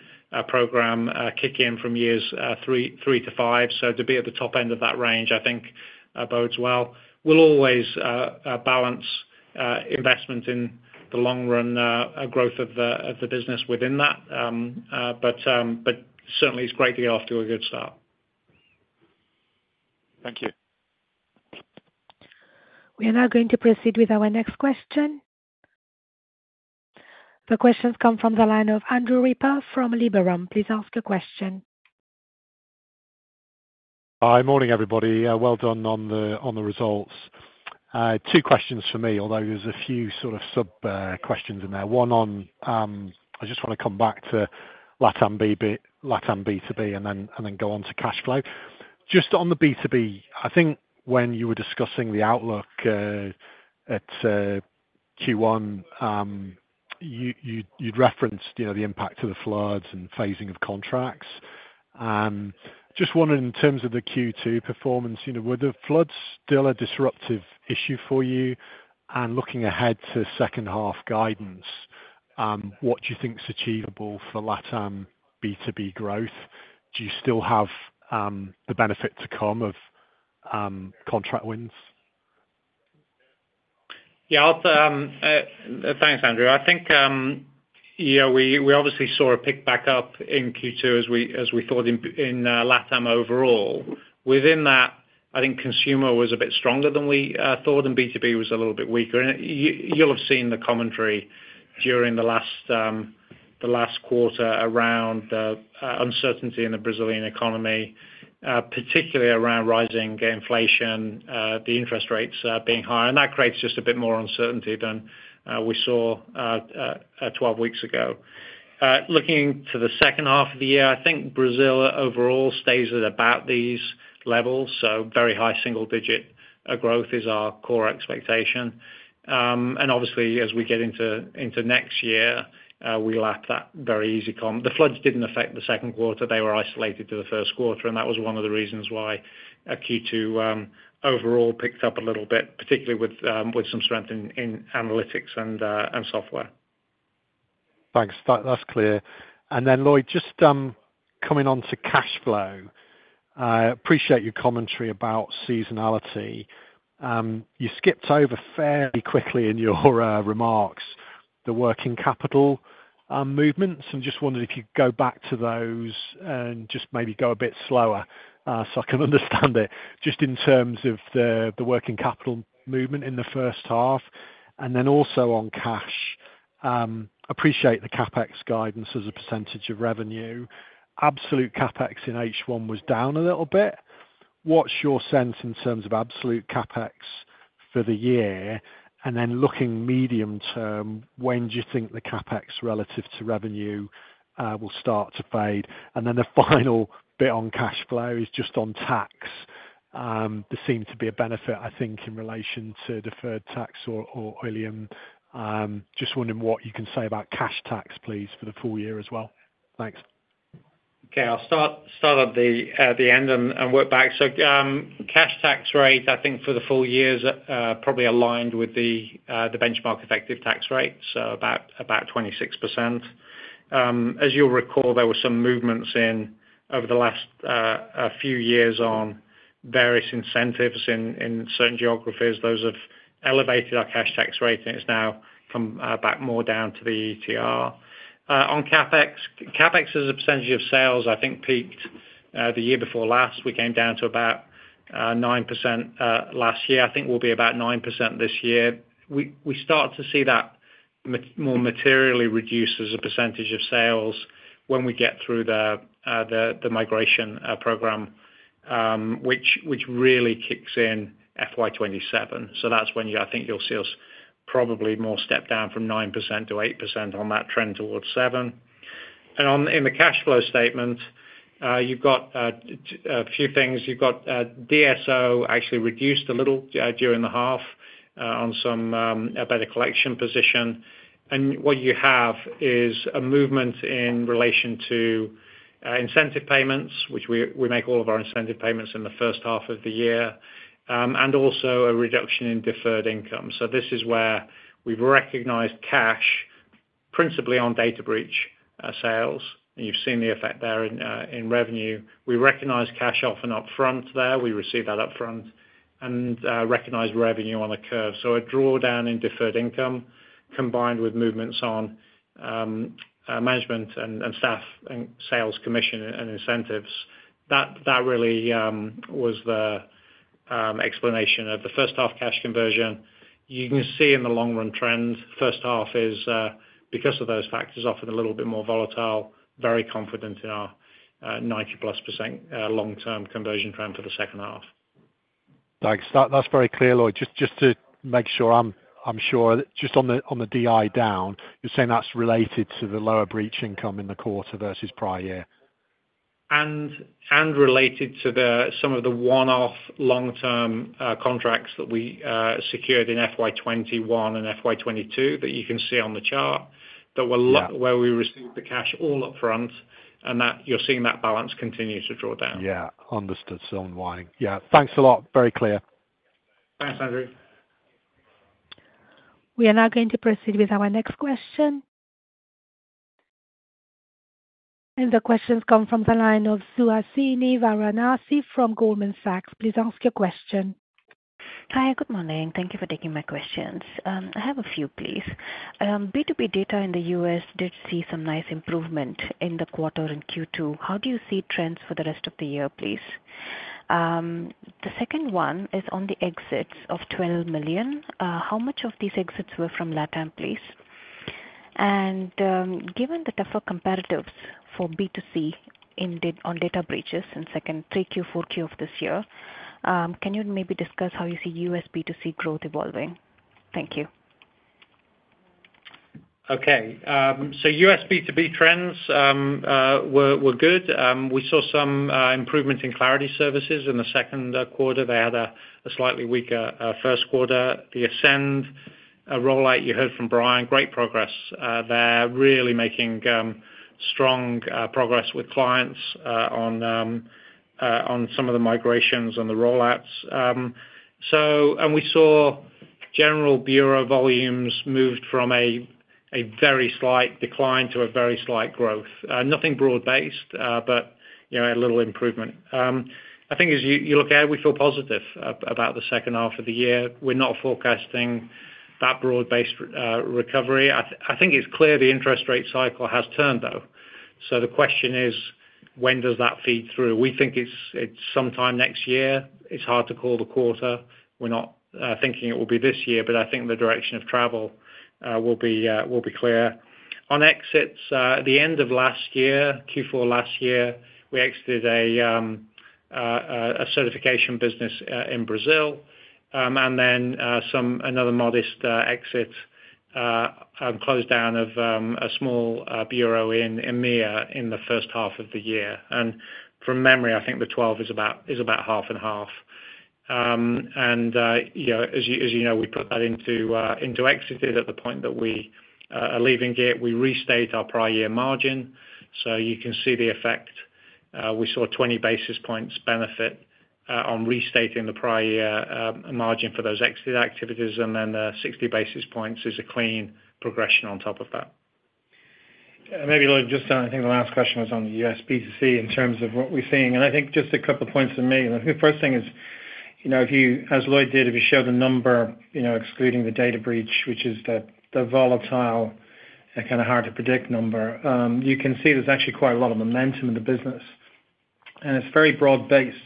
program kick in from years three to five. So to be at the top end of that range, I think bodes well. We'll always balance investment in the long-run growth of the business within that. But certainly, it's great to get off to a good start. Thank you. We are now going to proceed with our next question. The questions come from the line of Andrew Ripper from Liberum. Please ask your question. Hi, morning everybody. Well done on the results. Two questions for me, although there's a few sort of sub-questions in there. One on, I just want to come back to LATAM B2B and then go on to cash flow. Just on the B2B, I think when you were discussing the outlook at Q1, you'd referenced the impact of the floods and phasing of contracts. Just wondering, in terms of the Q2 performance, were the floods still a disruptive issue for you? And looking ahead to second half guidance, what do you think's achievable for LATAM B2B growth? Do you still have the benefit to come of contract wins? Yeah, thanks, Andrew. I think we obviously saw a pickup in Q2 as we thought in LATAM overall. Within that, I think consumer was a bit stronger than we thought, and B2B was a little bit weaker. And you'll have seen the commentary during the last quarter around the uncertainty in the Brazilian economy, particularly around rising inflation, the interest rates being higher. And that creates just a bit more uncertainty than we saw 12 weeks ago. Looking to the second half of the year, I think Brazil overall stays at about these levels. So very high single-digit growth is our core expectation. Obviously, as we get into next year, we'll have that very easy comp. The floods didn't affect the second quarter. They were isolated to the first quarter. That was one of the reasons why Q2 overall picked up a little bit, particularly with some strength in analytics and software. Thanks. That's clear. Then, Lloyd, just coming on to cash flow. I appreciate your commentary about seasonality. You skipped over fairly quickly in your remarks the working capital movements. I just wondered if you could go back to those and just maybe go a bit slower so I can understand it, just in terms of the working capital movement in the first half. Then also on cash, I appreciate the CapEx guidance as a percentage of revenue. Absolute CapEx in H1 was down a little bit. What's your sense in terms of absolute CapEx for the year? And then looking medium term, when do you think the CapEx relative to revenue will start to fade? And then the final bit on cash flow is just on tax. There seems to be a benefit, I think, in relation to deferred tax or ETR. Just wondering what you can say about cash tax, please, for the full year as well. Thanks. Okay. I'll start at the end and work back. So cash tax rate, I think for the full year is probably aligned with the benchmark effective tax rate, so about 26%. As you'll recall, there were some movements over the last few years on various incentives in certain geographies. Those have elevated our cash tax rate, and it's now come back more down to the ETR. On CapEx, CapEx as a percentage of sales, I think peaked the year before last. We came down to about 9% last year. I think we'll be about 9% this year. We start to see that more materially reduced as a percentage of sales when we get through the migration program, which really kicks in FY27. So that's when I think you'll see us probably more step down from 9% to 8% on that trend towards 7%. And in the cash flow statement, you've got a few things. You've got DSO actually reduced a little during the half on some better collection position. And what you have is a movement in relation to incentive payments, which we make all of our incentive payments in the first half of the year, and also a reduction in deferred income. So this is where we've recognized cash principally on data breach sales. You've seen the effect there in revenue. We recognize cash off and upfront there. We receive that upfront and recognize revenue on a curve. So a drawdown in deferred income combined with movements on management and staff and sales commission and incentives. That really was the explanation of the first half cash conversion. You can see in the long-run trend, first half is, because of those factors, often a little bit more volatile, very confident in our 90-plus% long-term conversion trend for the second half. Thanks. That's very clear, Lloyd. Just to make sure I'm sure, just on the DI down, you're saying that's related to the lower Brazil income in the quarter versus prior year? And related to some of the one-off long-term contracts that we secured in FY 2021 and FY 2022 that you can see on the chart, where we received the cash all upfront, and that you're seeing that balance continue to draw down. Yeah. Understood. So unwinding. Yeah. Thanks a lot. Very clear. Thanks, Andrew. We are now going to proceed with our next question. The questions come from the line of Suhasini Varanasi from Goldman Sachs. Please ask your question. Hi. Good morning. Thank you for taking my questions. I have a few, please. B2B data in the U.S. did see some nice improvement in the quarter in Q2. How do you see trends for the rest of the year, please? The second one is on the exits of 12 million. How much of these exits were from LATAM, please? And given the tougher comparatives for B2C on data breaches in Q2, Q3, Q4 of this year, can you maybe discuss how you see U.S. B2C growth evolving? Thank you. Okay. So U.S. B2B trends were good. We saw some improvement in Clarity Services in the second quarter. They had a slightly weaker first quarter. The Ascend rollout you heard from Brian. Great progress there, really making strong progress with clients on some of the migrations and the rollouts. We saw general bureau volumes moved from a very slight decline to a very slight growth. Nothing broad-based, but a little improvement. I think as you look ahead, we feel positive about the second half of the year. We're not forecasting that broad-based recovery. I think it's clear the interest rate cycle has turned, though. The question is, when does that feed through? We think it's sometime next year. It's hard to call the quarter. We're not thinking it will be this year, but I think the direction of travel will be clear. On exits, the end of last year, Q4 last year, we exited a certification business in Brazil. And then another modest exit and closed down of a small bureau in EMEA in the first half of the year. And from memory, I think the 12 is about half and half. And as you know, we put that into exited at the point that we are leaving here. We restate our prior year margin. So you can see the effect. We saw 20 basis points benefit on restating the prior year margin for those exited activities. And then the 60 basis points is a clean progression on top of that. Maybe, Lloyd, just I think the last question was on the US B2C in terms of what we're seeing. And I think just a couple of points for me. The first thing is, as Lloyd did, if you show the number, excluding the data breach, which is the volatile, kind of hard to predict number, you can see there's actually quite a lot of momentum in the business. And it's very broad-based. So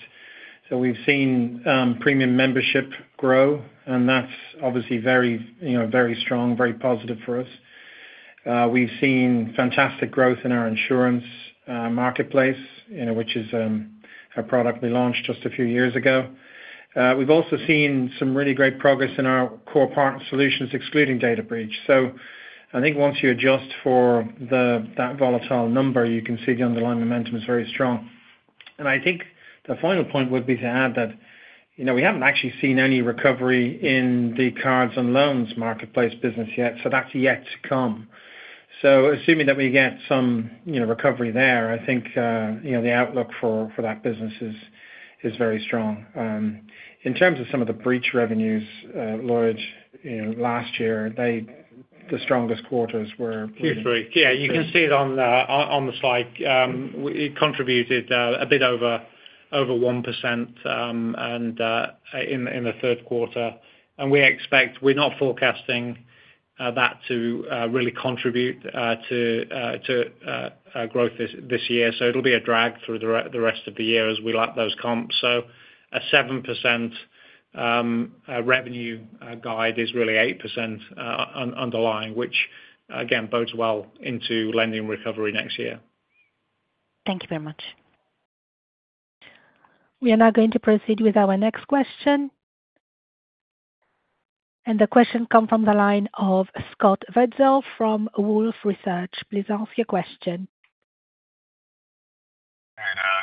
we've seen premium membership grow, and that's obviously very strong, very positive for us. We've seen fantastic growth in our insurance marketplace, which is a product we launched just a few years ago. We've also seen some really great progress in our core partner solutions, excluding data breach. So I think once you adjust for that volatile number, you can see the underlying momentum is very strong. And I think the final point would be to add that we haven't actually seen any recovery in the cards and loans marketplace business yet. So that's yet to come. So assuming that we get some recovery there, I think the outlook for that business is very strong. In terms of some of the breach revenues, Lloyd, last year, the strongest quarters were clearly. Yeah. You can see it on the slide. It contributed a bit over 1% in the third quarter. And we're not forecasting that to really contribute to growth this year. So it'll be a drag through the rest of the year as we let those comps. So a 7% revenue guide is really 8% underlying, which, again, bodes well into lending recovery next year. Thank you very much. We are now going to proceed with our next question. And the question comes from the line of Scott Wurtzel from Wolfe Research. Please ask your question.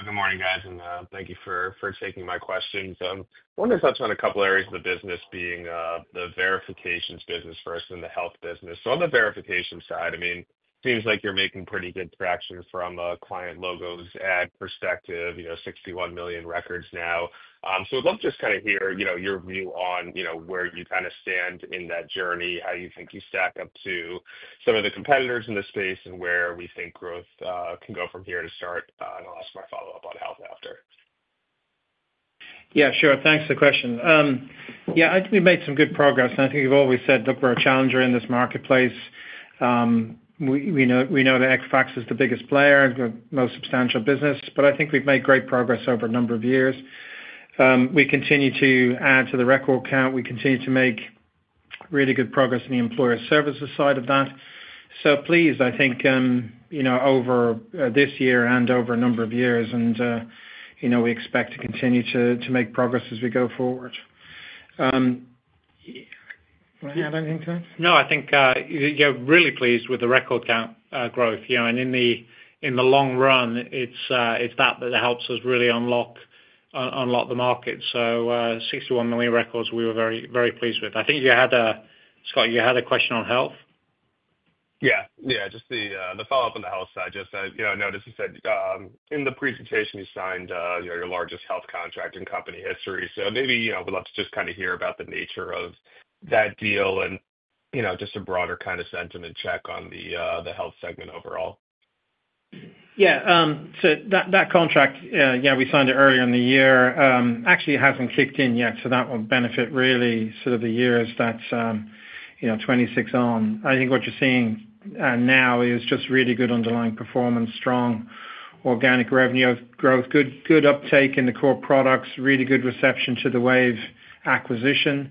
Good morning, guys. And thank you for taking my questions. I want to touch on a couple of areas of the business, being the verifications business first and the health business. So on the verification side, I mean, it seems like you're making pretty good traction from a client logos added perspective, 61 million records now. So I'd love to just kind of hear your view on where you kind of stand in that journey, how you think you stack up to some of the competitors in this space, and where we think growth can go from here to start, and I'll ask my follow-up on health after. Yeah, sure. Thanks for the question. Yeah, we've made some good progress, and I think you've always said, "Look, we're a challenger in this marketplace." We know that Equifax is the biggest player and the most substantial business, but I think we've made great progress over a number of years. We continue to add to the record count. We continue to make really good progress in the employer services side of that. So please, I think, over this year and over a number of years, and we expect to continue to make progress as we go forward. Any other thing to add? No, I think you're really pleased with the record count growth. And in the long run, it's that that helps us really unlock the market. So 61 million records, we were very pleased with. I think you had a Scott, you had a question on health? Yeah. Yeah. Just the follow-up on the health side. Just, I noticed you said in the presentation you signed your largest health contract in company history. So maybe we'd love to just kind of hear about the nature of that deal and just a broader kind of sentiment check on the health segment overall. Yeah. So that contract, yeah, we signed it earlier in the year. Actually, it hasn't kicked in yet. So that will benefit really sort of the year as that's 2026 on. I think what you're seeing now is just really good underlying performance, strong organic revenue growth, good uptake in the core products, really good reception to the Wave acquisition.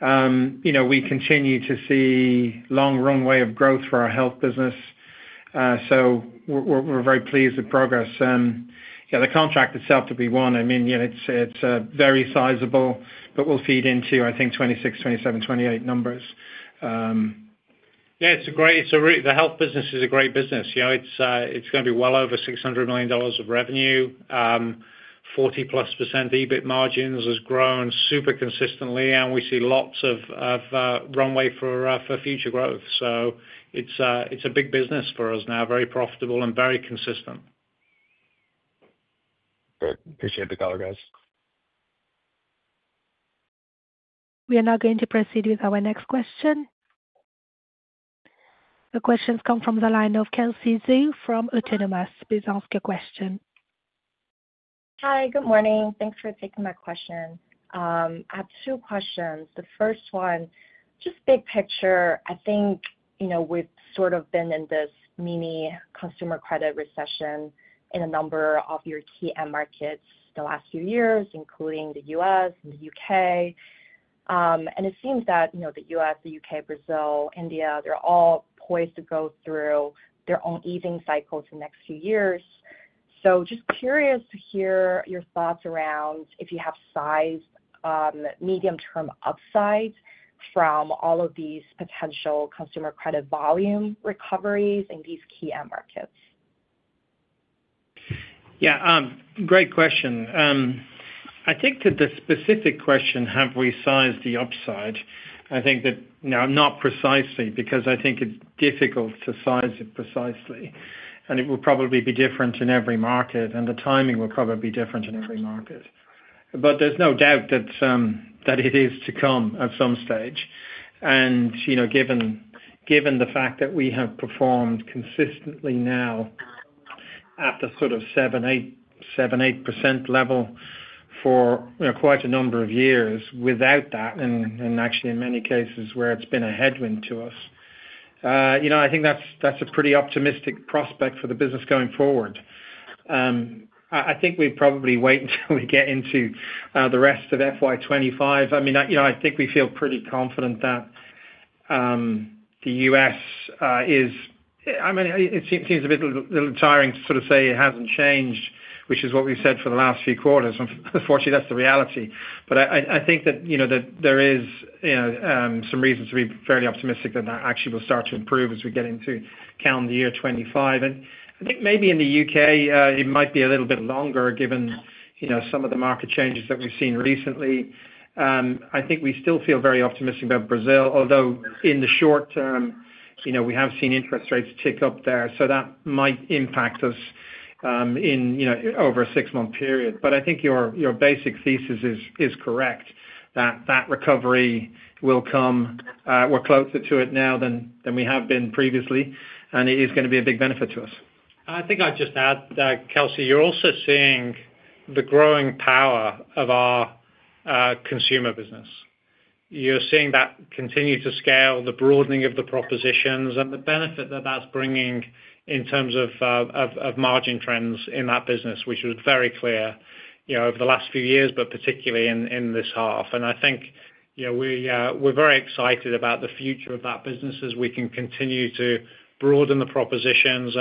We continue to see long runway of growth for our health business. So we're very pleased with progress. Yeah, the contract itself is a big one, I mean, it's very sizable, but we'll feed into, I think, 2026, 2027, 2028 numbers. Yeah, it's great. The health business is a great business. It's going to be well over $600 million of revenue, 40-plus% EBIT margins has grown super consistently, and we see lots of runway for future growth. So it's a big business for us now, very profitable and very consistent. Appreciate the call, guys. We are now going to proceed with our next question. The questions come from the line of Kelsey Zhu from Autonomous Research. Please ask your question. Hi. Good morning. Thanks for taking my question. I have two questions. The first one, just big picture, I think we've sort of been in this mini consumer credit recession in a number of your key end markets the last few years, including the U.S. and the U.K., and it seems that the U.S., the U.K., Brazil, India, they're all poised to go through their own credit cycles in the next few years. So just curious to hear your thoughts around if you have sized medium-term upside from all of these potential consumer credit volume recoveries in these key end markets? Yeah. Great question. I think that the specific question, have we sized the upside? I think that now, not precisely, because I think it's difficult to size it precisely. And it will probably be different in every market, and the timing will probably be different in every market. But there's no doubt that it is to come at some stage. And given the fact that we have performed consistently now at the sort of 7%-8% level for quite a number of years without that, and actually, in many cases, where it's been a headwind to us, I think that's a pretty optimistic prospect for the business going forward. I think we probably wait until we get into the rest of FY 2025. I mean, I think we feel pretty confident that the U.S. is. I mean, it seems a bit tiring to sort of say it hasn't changed, which is what we've said for the last few quarters. Unfortunately, that's the reality, but I think that there is some reason to be fairly optimistic that that actually will start to improve as we get into calendar year 2025, and I think maybe in the UK, it might be a little bit longer given some of the market changes that we've seen recently. I think we still feel very optimistic about Brazil, although in the short term, we have seen interest rates tick up there, so that might impact us in over a six-month period, but I think your basic thesis is correct, that that recovery will come. We're closer to it now than we have been previously, and it is going to be a big benefit to us. I think I'd just add that, Kelsey, you're also seeing the growing power of our consumer business. You're seeing that continue to scale, the broadening of the propositions, and the benefit that that's bringing in terms of margin trends in that business, which was very clear over the last few years, but particularly in this half. And I think we're very excited about the future of that business as we can continue to broaden the propositions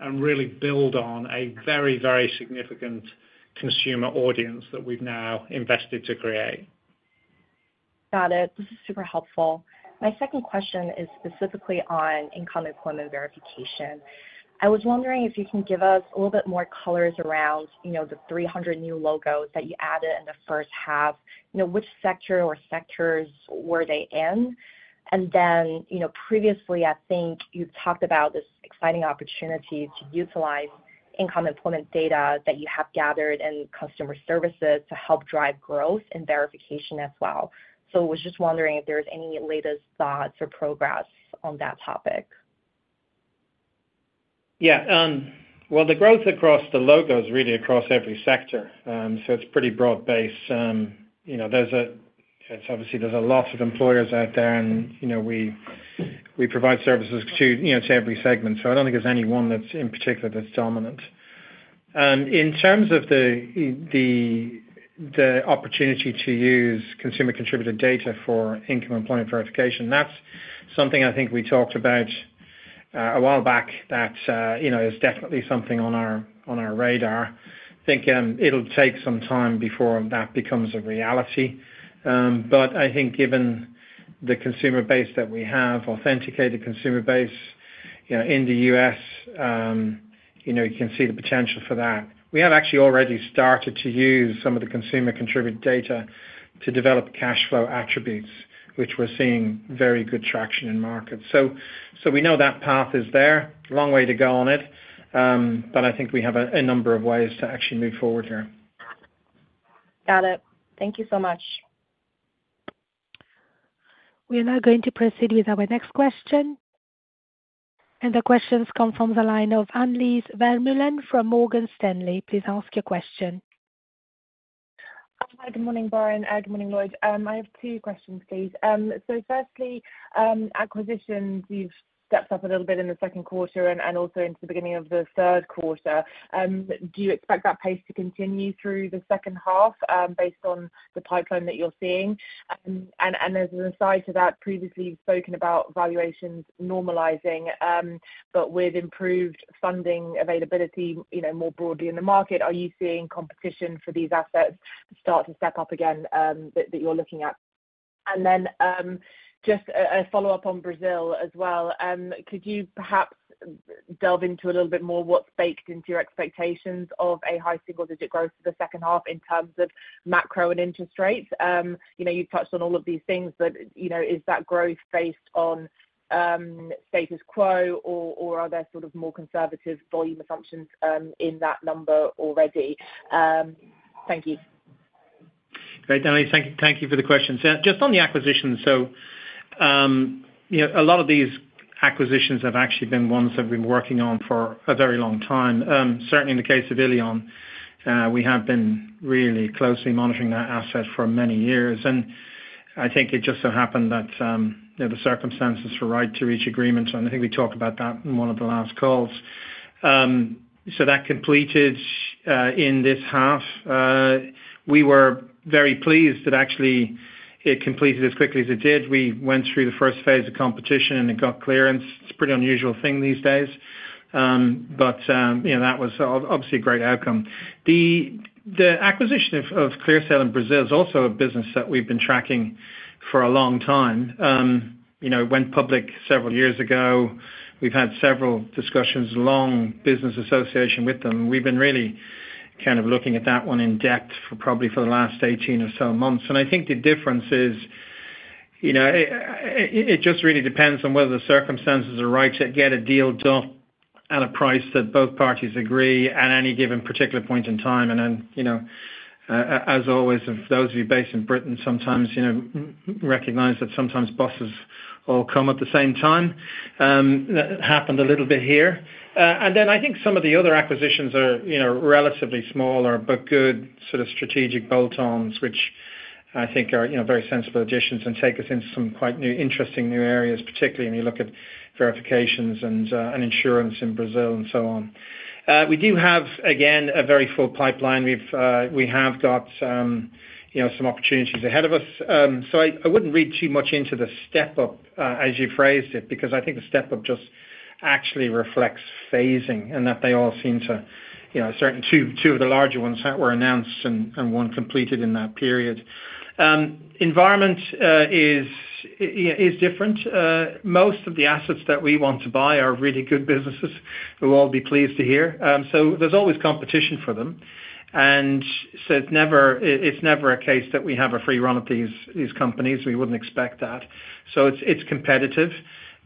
and really build on a very, very significant consumer audience that we've now invested to create. Got it. This is super helpful. My second question is specifically on income employment verification. I was wondering if you can give us a little bit more colors around the 300 new logos that you added in the first half, which sector or sectors were they in? And then previously, I think you've talked about this exciting opportunity to utilize income employment data that you have gathered in customer services to help drive growth and verification as well. So I was just wondering if there's any latest thoughts or progress on that topic. Yeah. Well, the growth across the logos is really across every sector. So it's pretty broad-based. Obviously, there's a lot of employers out there, and we provide services to every segment. So I don't think there's any one that's in particular that's dominant. In terms of the opportunity to use consumer-contributed data for income employment verification, that's something I think we talked about a while back that is definitely something on our radar. I think it'll take some time before that becomes a reality. But I think given the consumer base that we have, authenticated consumer base in the U.S., you can see the potential for that. We have actually already started to use some of the consumer-contributed data to develop cash flow attributes, which we're seeing very good traction in markets. So we know that path is there. Long way to go on it. But I think we have a number of ways to actually move forward here. Got it. Thank you so much. We are now going to proceed with our next question. And the questions come from the line of Annelies Vermeulen from Morgan Stanley. Please ask your question. Hi. Good morning, Brian. Good morning, Lloyd. I have two questions, please. So firstly, acquisitions, you've stepped up a little bit in the second quarter and also into the beginning of the third quarter. Do you expect that pace to continue through the second half based on the pipeline that you're seeing? And as an aside to that, previously, you've spoken about valuations normalizing, but with improved funding availability more broadly in the market, are you seeing competition for these assets start to step up again that you're looking at? And then just a follow-up on Brazil as well. Could you perhaps delve into a little bit more what's baked into your expectations of a high single-digit growth for the second half in terms of macro and interest rates? You've touched on all of these things, but is that growth based on status quo, or are there sort of more conservative volume assumptions in that number already? Thank you. Great, Annie. Thank you for the questions. Just on the acquisitions, so a lot of these acquisitions have actually been ones that we've been working on for a very long time. Certainly, in the case of illion, we have been really closely monitoring that asset for many years. And I think it just so happened that the circumstances were right to reach agreement, and I think we talked about that in one of the last calls. So that completed in this half. We were very pleased that actually it completed as quickly as it did. We went through the first phase of competition, and it got clearance. It's a pretty unusual thing these days. But that was obviously a great outcome. The acquisition of ClearSale in Brazil is also a business that we've been tracking for a long time. It went public several years ago. We've had several discussions, long business association with them. We've been really kind of looking at that one in depth for probably the last 18 or so months. And I think the difference is it just really depends on whether the circumstances are right to get a deal done at a price that both parties agree at any given particular point in time. And then, as always, those of you based in Britain sometimes recognize that sometimes buses all come at the same time. That happened a little bit here. And then I think some of the other acquisitions are relatively smaller, but good sort of strategic bolt-ons, which I think are very sensible additions and take us into some quite interesting new areas, particularly when you look at verifications and insurance in Brazil and so on. We do have, again, a very full pipeline. We have got some opportunities ahead of us. So I wouldn't read too much into the step-up, as you phrased it, because I think the step-up just actually reflects phasing and that they all seem to certainly two of the larger ones were announced and one completed in that period. Environment is different. Most of the assets that we want to buy are really good businesses. We'll all be pleased to hear. So there's always competition for them. And so it's never a case that we have a free run of these companies. We wouldn't expect that, so it's competitive,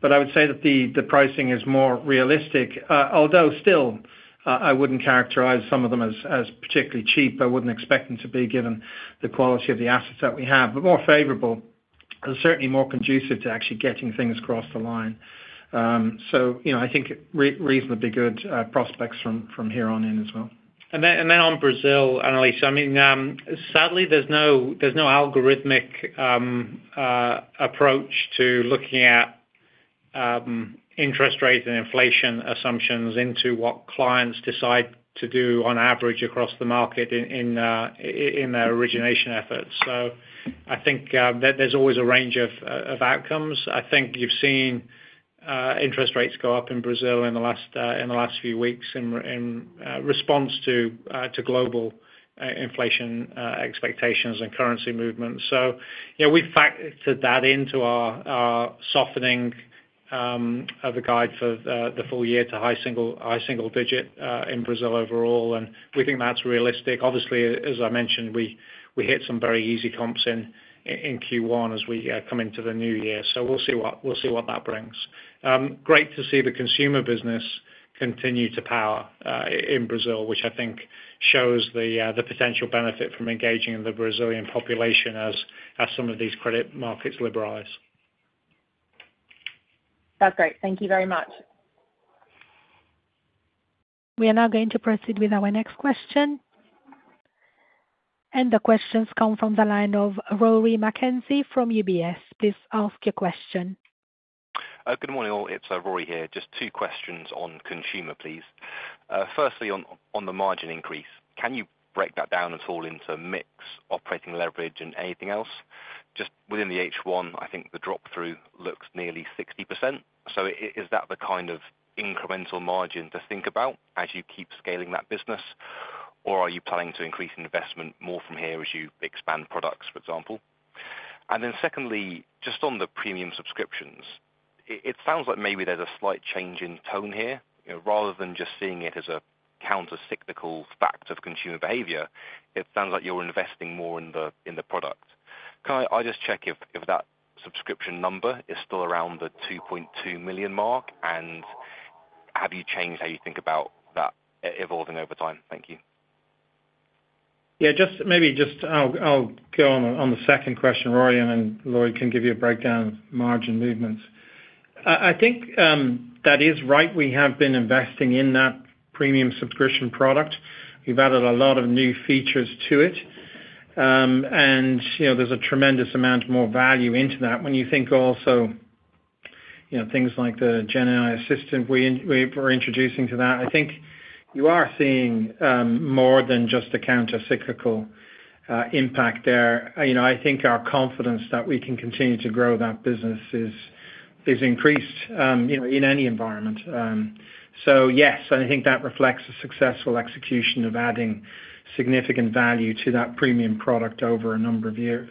but I would say that the pricing is more realistic. Although still, I wouldn't characterize some of them as particularly cheap. I wouldn't expect them to be given the quality of the assets that we have, but more favorable and certainly more conducive to actually getting things across the line, so I think reasonably good prospects from here on in as well, and then on Brazil, Annelies, I mean, sadly, there's no algorithmic approach to looking at interest rate and inflation assumptions into what clients decide to do on average across the market in their origination efforts, so I think there's always a range of outcomes. I think you've seen interest rates go up in Brazil in the last few weeks in response to global inflation expectations and currency movements. So we factored that into our softening of the guide for the full year to high single-digit in Brazil overall. And we think that's realistic. Obviously, as I mentioned, we hit some very easy comps in Q1 as we come into the new year. So we'll see what that brings. Great to see the consumer business continue to power in Brazil, which I think shows the potential benefit from engaging in the Brazilian population as some of these credit markets liberalize. That's great. Thank you very much. We are now going to proceed with our next question. And the questions come from the line of Rory McKenzie from UBS. Please ask your question. Good morning, all. It's Rory here. Just two questions on consumer, please. Firstly, on the margin increase, can you break that down at all into mix, operating leverage, and anything else? Just within the H1, I think the drop-through looks nearly 60%. So is that the kind of incremental margin to think about as you keep scaling that business, or are you planning to increase investment more from here as you expand products, for example? And then secondly, just on the premium subscriptions, it sounds like maybe there's a slight change in tone here. Rather than just seeing it as a countercyclical fact of consumer behavior, it sounds like you're investing more in the product. Can I just check if that subscription number is still around the 2.2 million mark, and have you changed how you think about that evolving over time? Thank you. Yeah. Maybe just I'll go on the second question, Rory, and then Lloyd can give you a breakdown of margin movements. I think that is right. We have been investing in that premium subscription product. We've added a lot of new features to it. And there's a tremendous amount more value into that. When you think also things like the GenAI assistant we're introducing to that, I think you are seeing more than just a countercyclical impact there. I think our confidence that we can continue to grow that business is increased in any environment. So yes, I think that reflects a successful execution of adding significant value to that premium product over a number of years.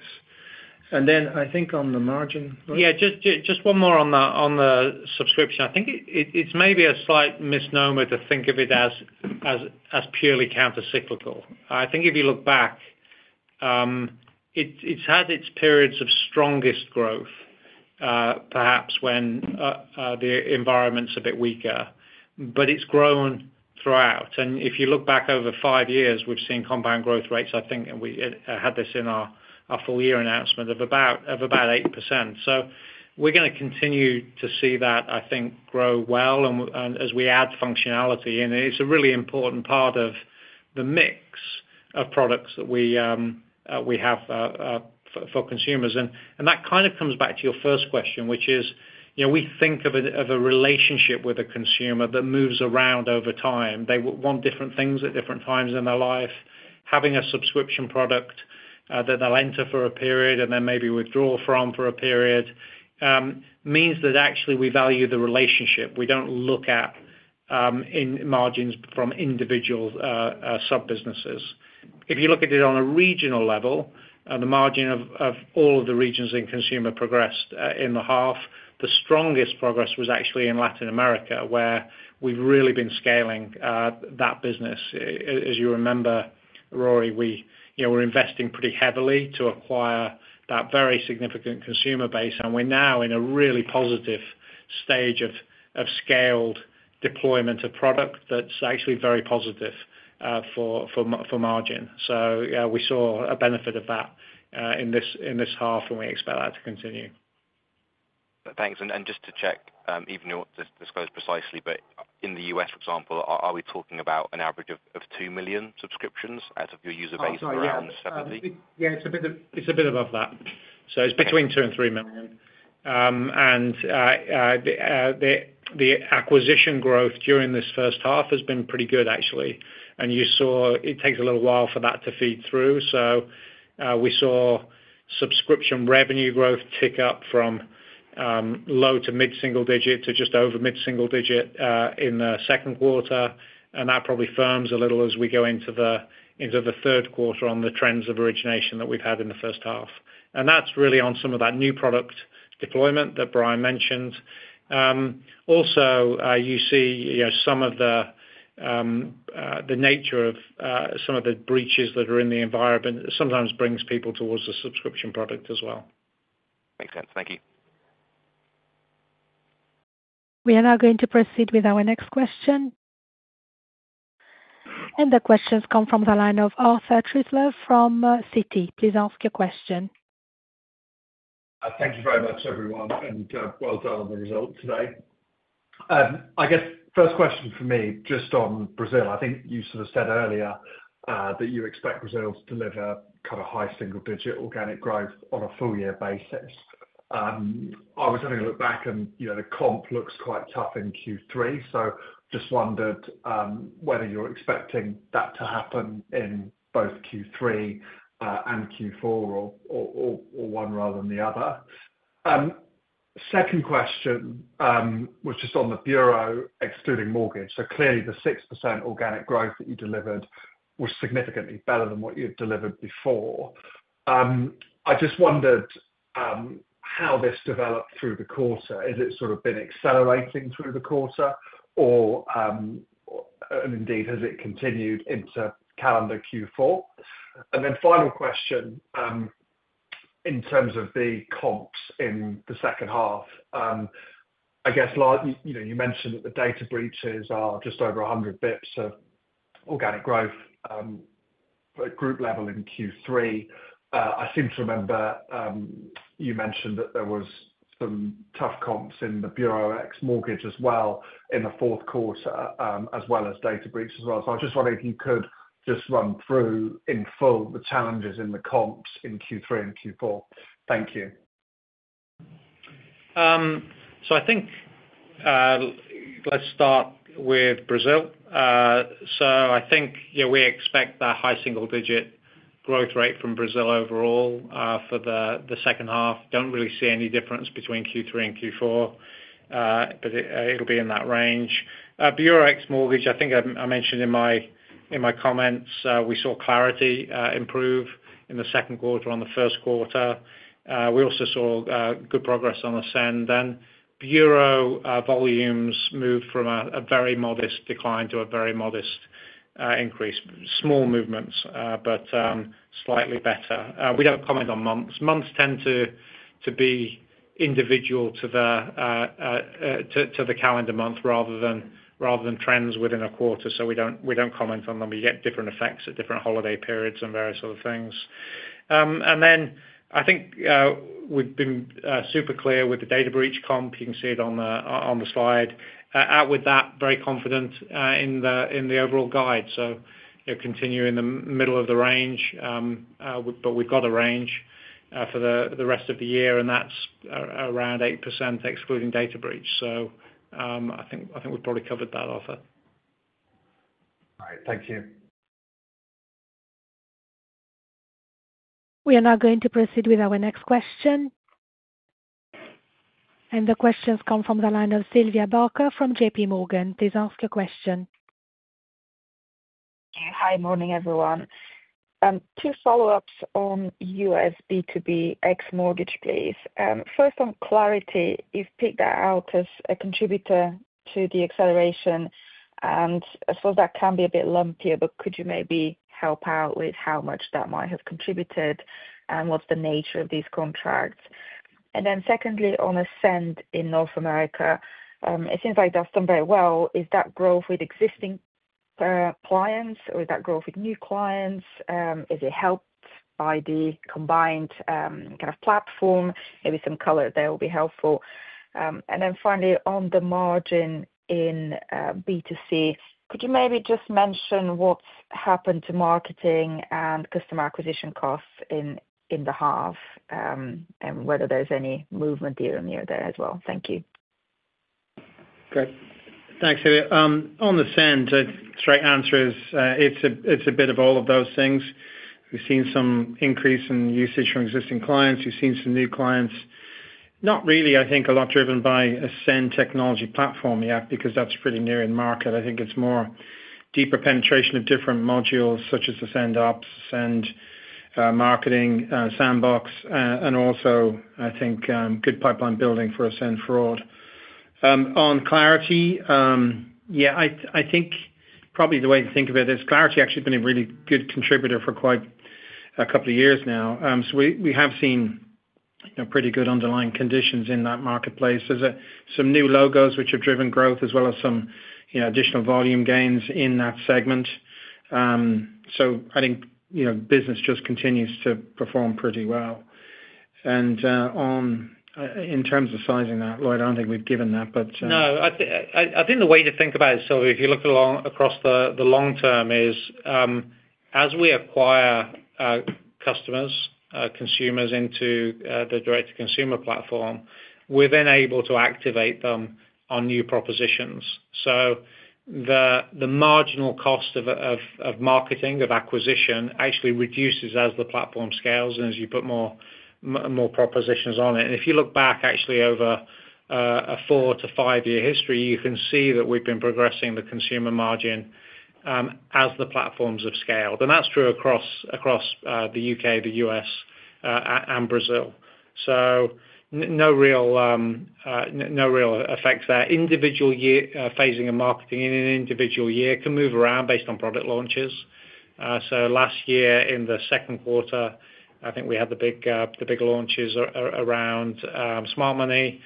And then I think on the margin. Yeah, just one more on the subscription. I think it's maybe a slight misnomer to think of it as purely countercyclical. I think if you look back, it's had its periods of strongest growth, perhaps when the environment's a bit weaker, but it's grown throughout. And if you look back over five years, we've seen compound growth rates, I think, and we had this in our full-year announcement of about 8%. So we're going to continue to see that, I think, grow well as we add functionality. And it's a really important part of the mix of products that we have for consumers. And that kind of comes back to your first question, which is we think of a relationship with a consumer that moves around over time. They want different things at different times in their life. Having a subscription product that they'll enter for a period and then maybe withdraw from for a period means that actually we value the relationship. We don't look at margins from individual sub-businesses. If you look at it on a regional level, the margin of all of the regions in Consumer progressed in the half. The strongest progress was actually in Latin America, where we've really been scaling that business. As you remember, Rory, we were investing pretty heavily to acquire that very significant consumer base. And we're now in a really positive stage of scaled deployment of product that's actually very positive for margin. So we saw a benefit of that in this half, and we expect that to continue. Thanks. And just to check, even though it's disclosed precisely, but in the U.S., for example, are we talking about an average of 2 million subscriptions out of your user base around 70? Yeah, it's a bit above that. So it's between 2 and 3 million. And the acquisition growth during this first half has been pretty good, actually. And it takes a little while for that to feed through. So we saw subscription revenue growth tick up from low- to mid-single-digit to just over mid-single-digit in the second quarter. And that probably firms a little as we go into the third quarter on the trends of origination that we've had in the first half. And that's really on some of that new product deployment that Brian mentioned. Also, you see some of the nature of some of the breaches that are in the environment sometimes brings people towards the subscription product as well. Makes sense. Thank you. We are now going to proceed with our next question. And the question comes from the line of Arthur Truslove from Citi. Please ask your question. Thank you very much, everyone, and well done on the result today. I guess first question for me, just on Brazil. I think you sort of said earlier that you expect Brazil to deliver kind of high single-digit organic growth on a full-year basis. I was having a look back, and the comp looks quite tough in Q3. So just wondered whether you're expecting that to happen in both Q3 and Q4 or one rather than the other. Second question was just on the Bureau excluding mortgage. So clearly, the 6% organic growth that you delivered was significantly better than what you'd delivered before. I just wondered how this developed through the quarter. Has it sort of been accelerating through the quarter? And indeed, has it continued into calendar Q4? And then final question in terms of the comps in the second half. I guess you mentioned that the data breaches are just over 100 basis points of organic growth group level in Q3. I seem to remember you mentioned that there were some tough comps in the bureau's mortgage as well in the fourth quarter, as well as data breaches as well. So I just wondered if you could just run through in full the challenges in the comps in Q3 and Q4. Thank you. So I think let's start with Brazil. So I think we expect that high single-digit growth rate from Brazil overall for the second half. Don't really see any difference between Q3 and Q4, but it'll be in that range. Bureau's mortgage, I think I mentioned in my comments, we saw clarity improve in the second quarter on the first quarter. We also saw good progress on Ascend. Then bureau volumes moved from a very modest decline to a very modest increase. Small movements, but slightly better. We don't comment on months. Months tend to be individual to the calendar month rather than trends within a quarter. So we don't comment on them. You get different effects at different holiday periods and various other things. And then I think we've been super clear with the data breach comp. You can see it on the slide. Out with that, very confident in the overall guide. So continuing in the middle of the range, but we've got a range for the rest of the year, and that's around 8% excluding data breach. So I think we've probably covered that offer. All right. Thank you. We are now going to proceed with our next question. And the questions come from the line of Sylvia Barker from JPMorgan. Please ask your question. Thank you. Hi, morning, everyone. Two follow-ups on US B2B ex mortgage, please. First, on Clarity, you've picked that out as a contributor to the acceleration. And I suppose that can be a bit lumpier, but could you maybe help out with how much that might have contributed and what's the nature of these contracts? And then secondly, on Ascend in North America, it seems like it's done very well. Is that growth with existing clients or is that growth with new clients? Has it helped by the combined kind of platform? Maybe some color there will be helpful. And then finally, on the margin in B2C, could you maybe just mention what's happened to marketing and customer acquisition costs in the half and whether there's any movement here and there as well? Thank you. Great. Thanks, Sylvia. On Ascend, straight answer is it's a bit of all of those things. We've seen some increase in usage from existing clients. We've seen some new clients. Not really, I think, a lot driven by Ascend technology platform yet because that's pretty new in the market. I think it's more deeper penetration of different modules such as Ascend Marketing Sandbox. And also, I think, good pipeline building for Ascend Fraud. On Clarity, yeah, I think probably the way to think of it is Clarity actually has been a really good contributor for quite a couple of years now. So we have seen pretty good underlying conditions in that marketplace. There's some new logos which have driven growth as well as some additional volume gains in that segment. So I think business just continues to perform pretty well. And in terms of sizing that, Lloyd, I don't think we've given that, but. No, I think the way to think about it, so if you look across the long term, is as we acquire customers, consumers into the direct-to-consumer platform, we're then able to activate them on new propositions. So the marginal cost of marketing, of acquisition, actually reduces as the platform scales and as you put more propositions on it. And if you look back, actually, over a four-to-five-year history, you can see that we've been progressing the consumer margin as the platforms have scaled. And that's true across the UK, the U.S., and Brazil. So no real effects there. Individual phasing of marketing in an individual year can move around based on product launches. So last year, in the second quarter, I think we had the big launches around Smart Money.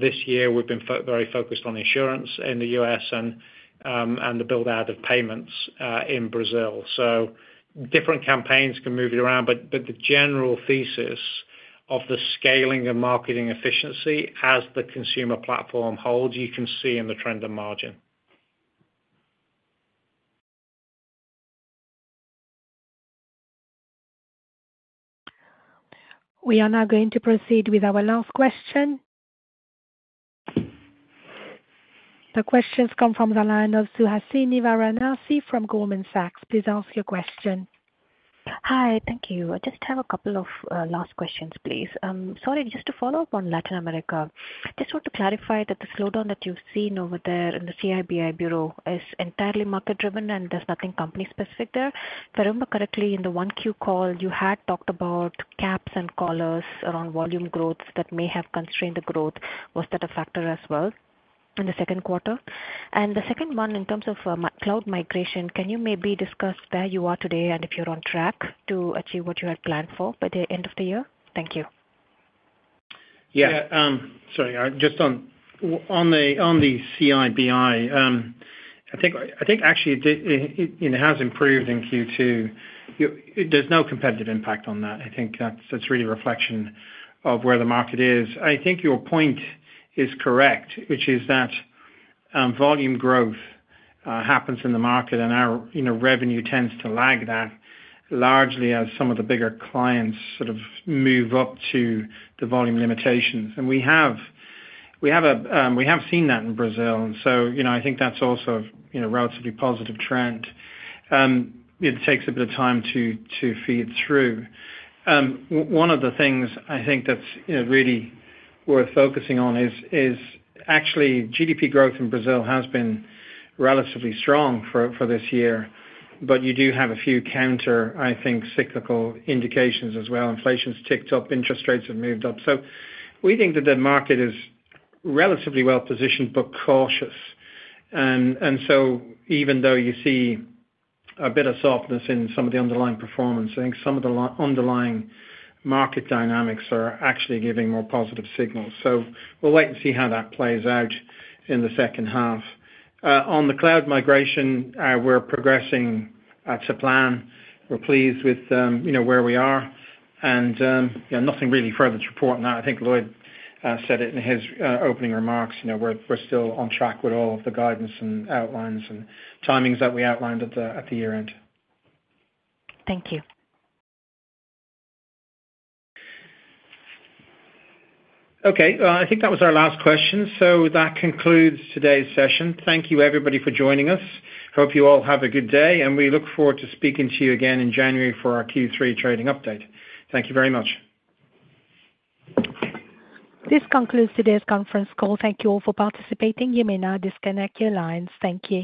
This year, we've been very focused on insurance in the U.S. and the build-out of payments in Brazil. Different campaigns can move it around, but the general thesis of the scaling and marketing efficiency as the consumer platform holds. You can see in the trend of margin. We are now going to proceed with our last question. The question comes from the line of Suhasini Varanasi from Goldman Sachs. Please ask your question. Hi, thank you. I just have a couple of last questions, please. Sorry, just to follow up on Latin America. Just want to clarify that the slowdown that you've seen over there in the CIBI Bureau is entirely market-driven, and there's nothing company-specific there. If I remember correctly, in the Q1 call, you had talked about caps and collars around volume growth that may have constrained the growth. Was that a factor as well in the second quarter? And the second one, in terms of cloud migration, can you maybe discuss where you are today and if you're on track to achieve what you had planned for by the end of the year? Thank you. Yeah. Sorry, just on the CIBI, I think actually it has improved in Q2. There's no competitive impact on that. I think that's really a reflection of where the market is. I think your point is correct, which is that volume growth happens in the market, and our revenue tends to lag that largely as some of the bigger clients sort of move up to the volume limitations. And we have seen that in Brazil. And so I think that's also a relatively positive trend. It takes a bit of time to feed through. One of the things I think that's really worth focusing on is actually GDP growth in Brazil has been relatively strong for this year, but you do have a few counter, I think, cyclical indications as well. Inflation's ticked up. Interest rates have moved up. So we think that the market is relatively well-positioned but cautious. And so even though you see a bit of softness in some of the underlying performance, I think some of the underlying market dynamics are actually giving more positive signals. So we'll wait and see how that plays out in the second half. On the cloud migration, we're progressing to plan. We're pleased with where we are. And nothing really further to report on that. I think Lloyd said it in his opening remarks. We're still on track with all of the guidance and outlines and timings that we outlined at the year-end. Thank you. Okay. I think that was our last question. So that concludes today's session. Thank you, everybody, for joining us. Hope you all have a good day. And we look forward to speaking to you again in January for our Q3 trading update. Thank you very much. This concludes today's conference call. Thank you all for participating. You may now disconnect your lines. Thank you.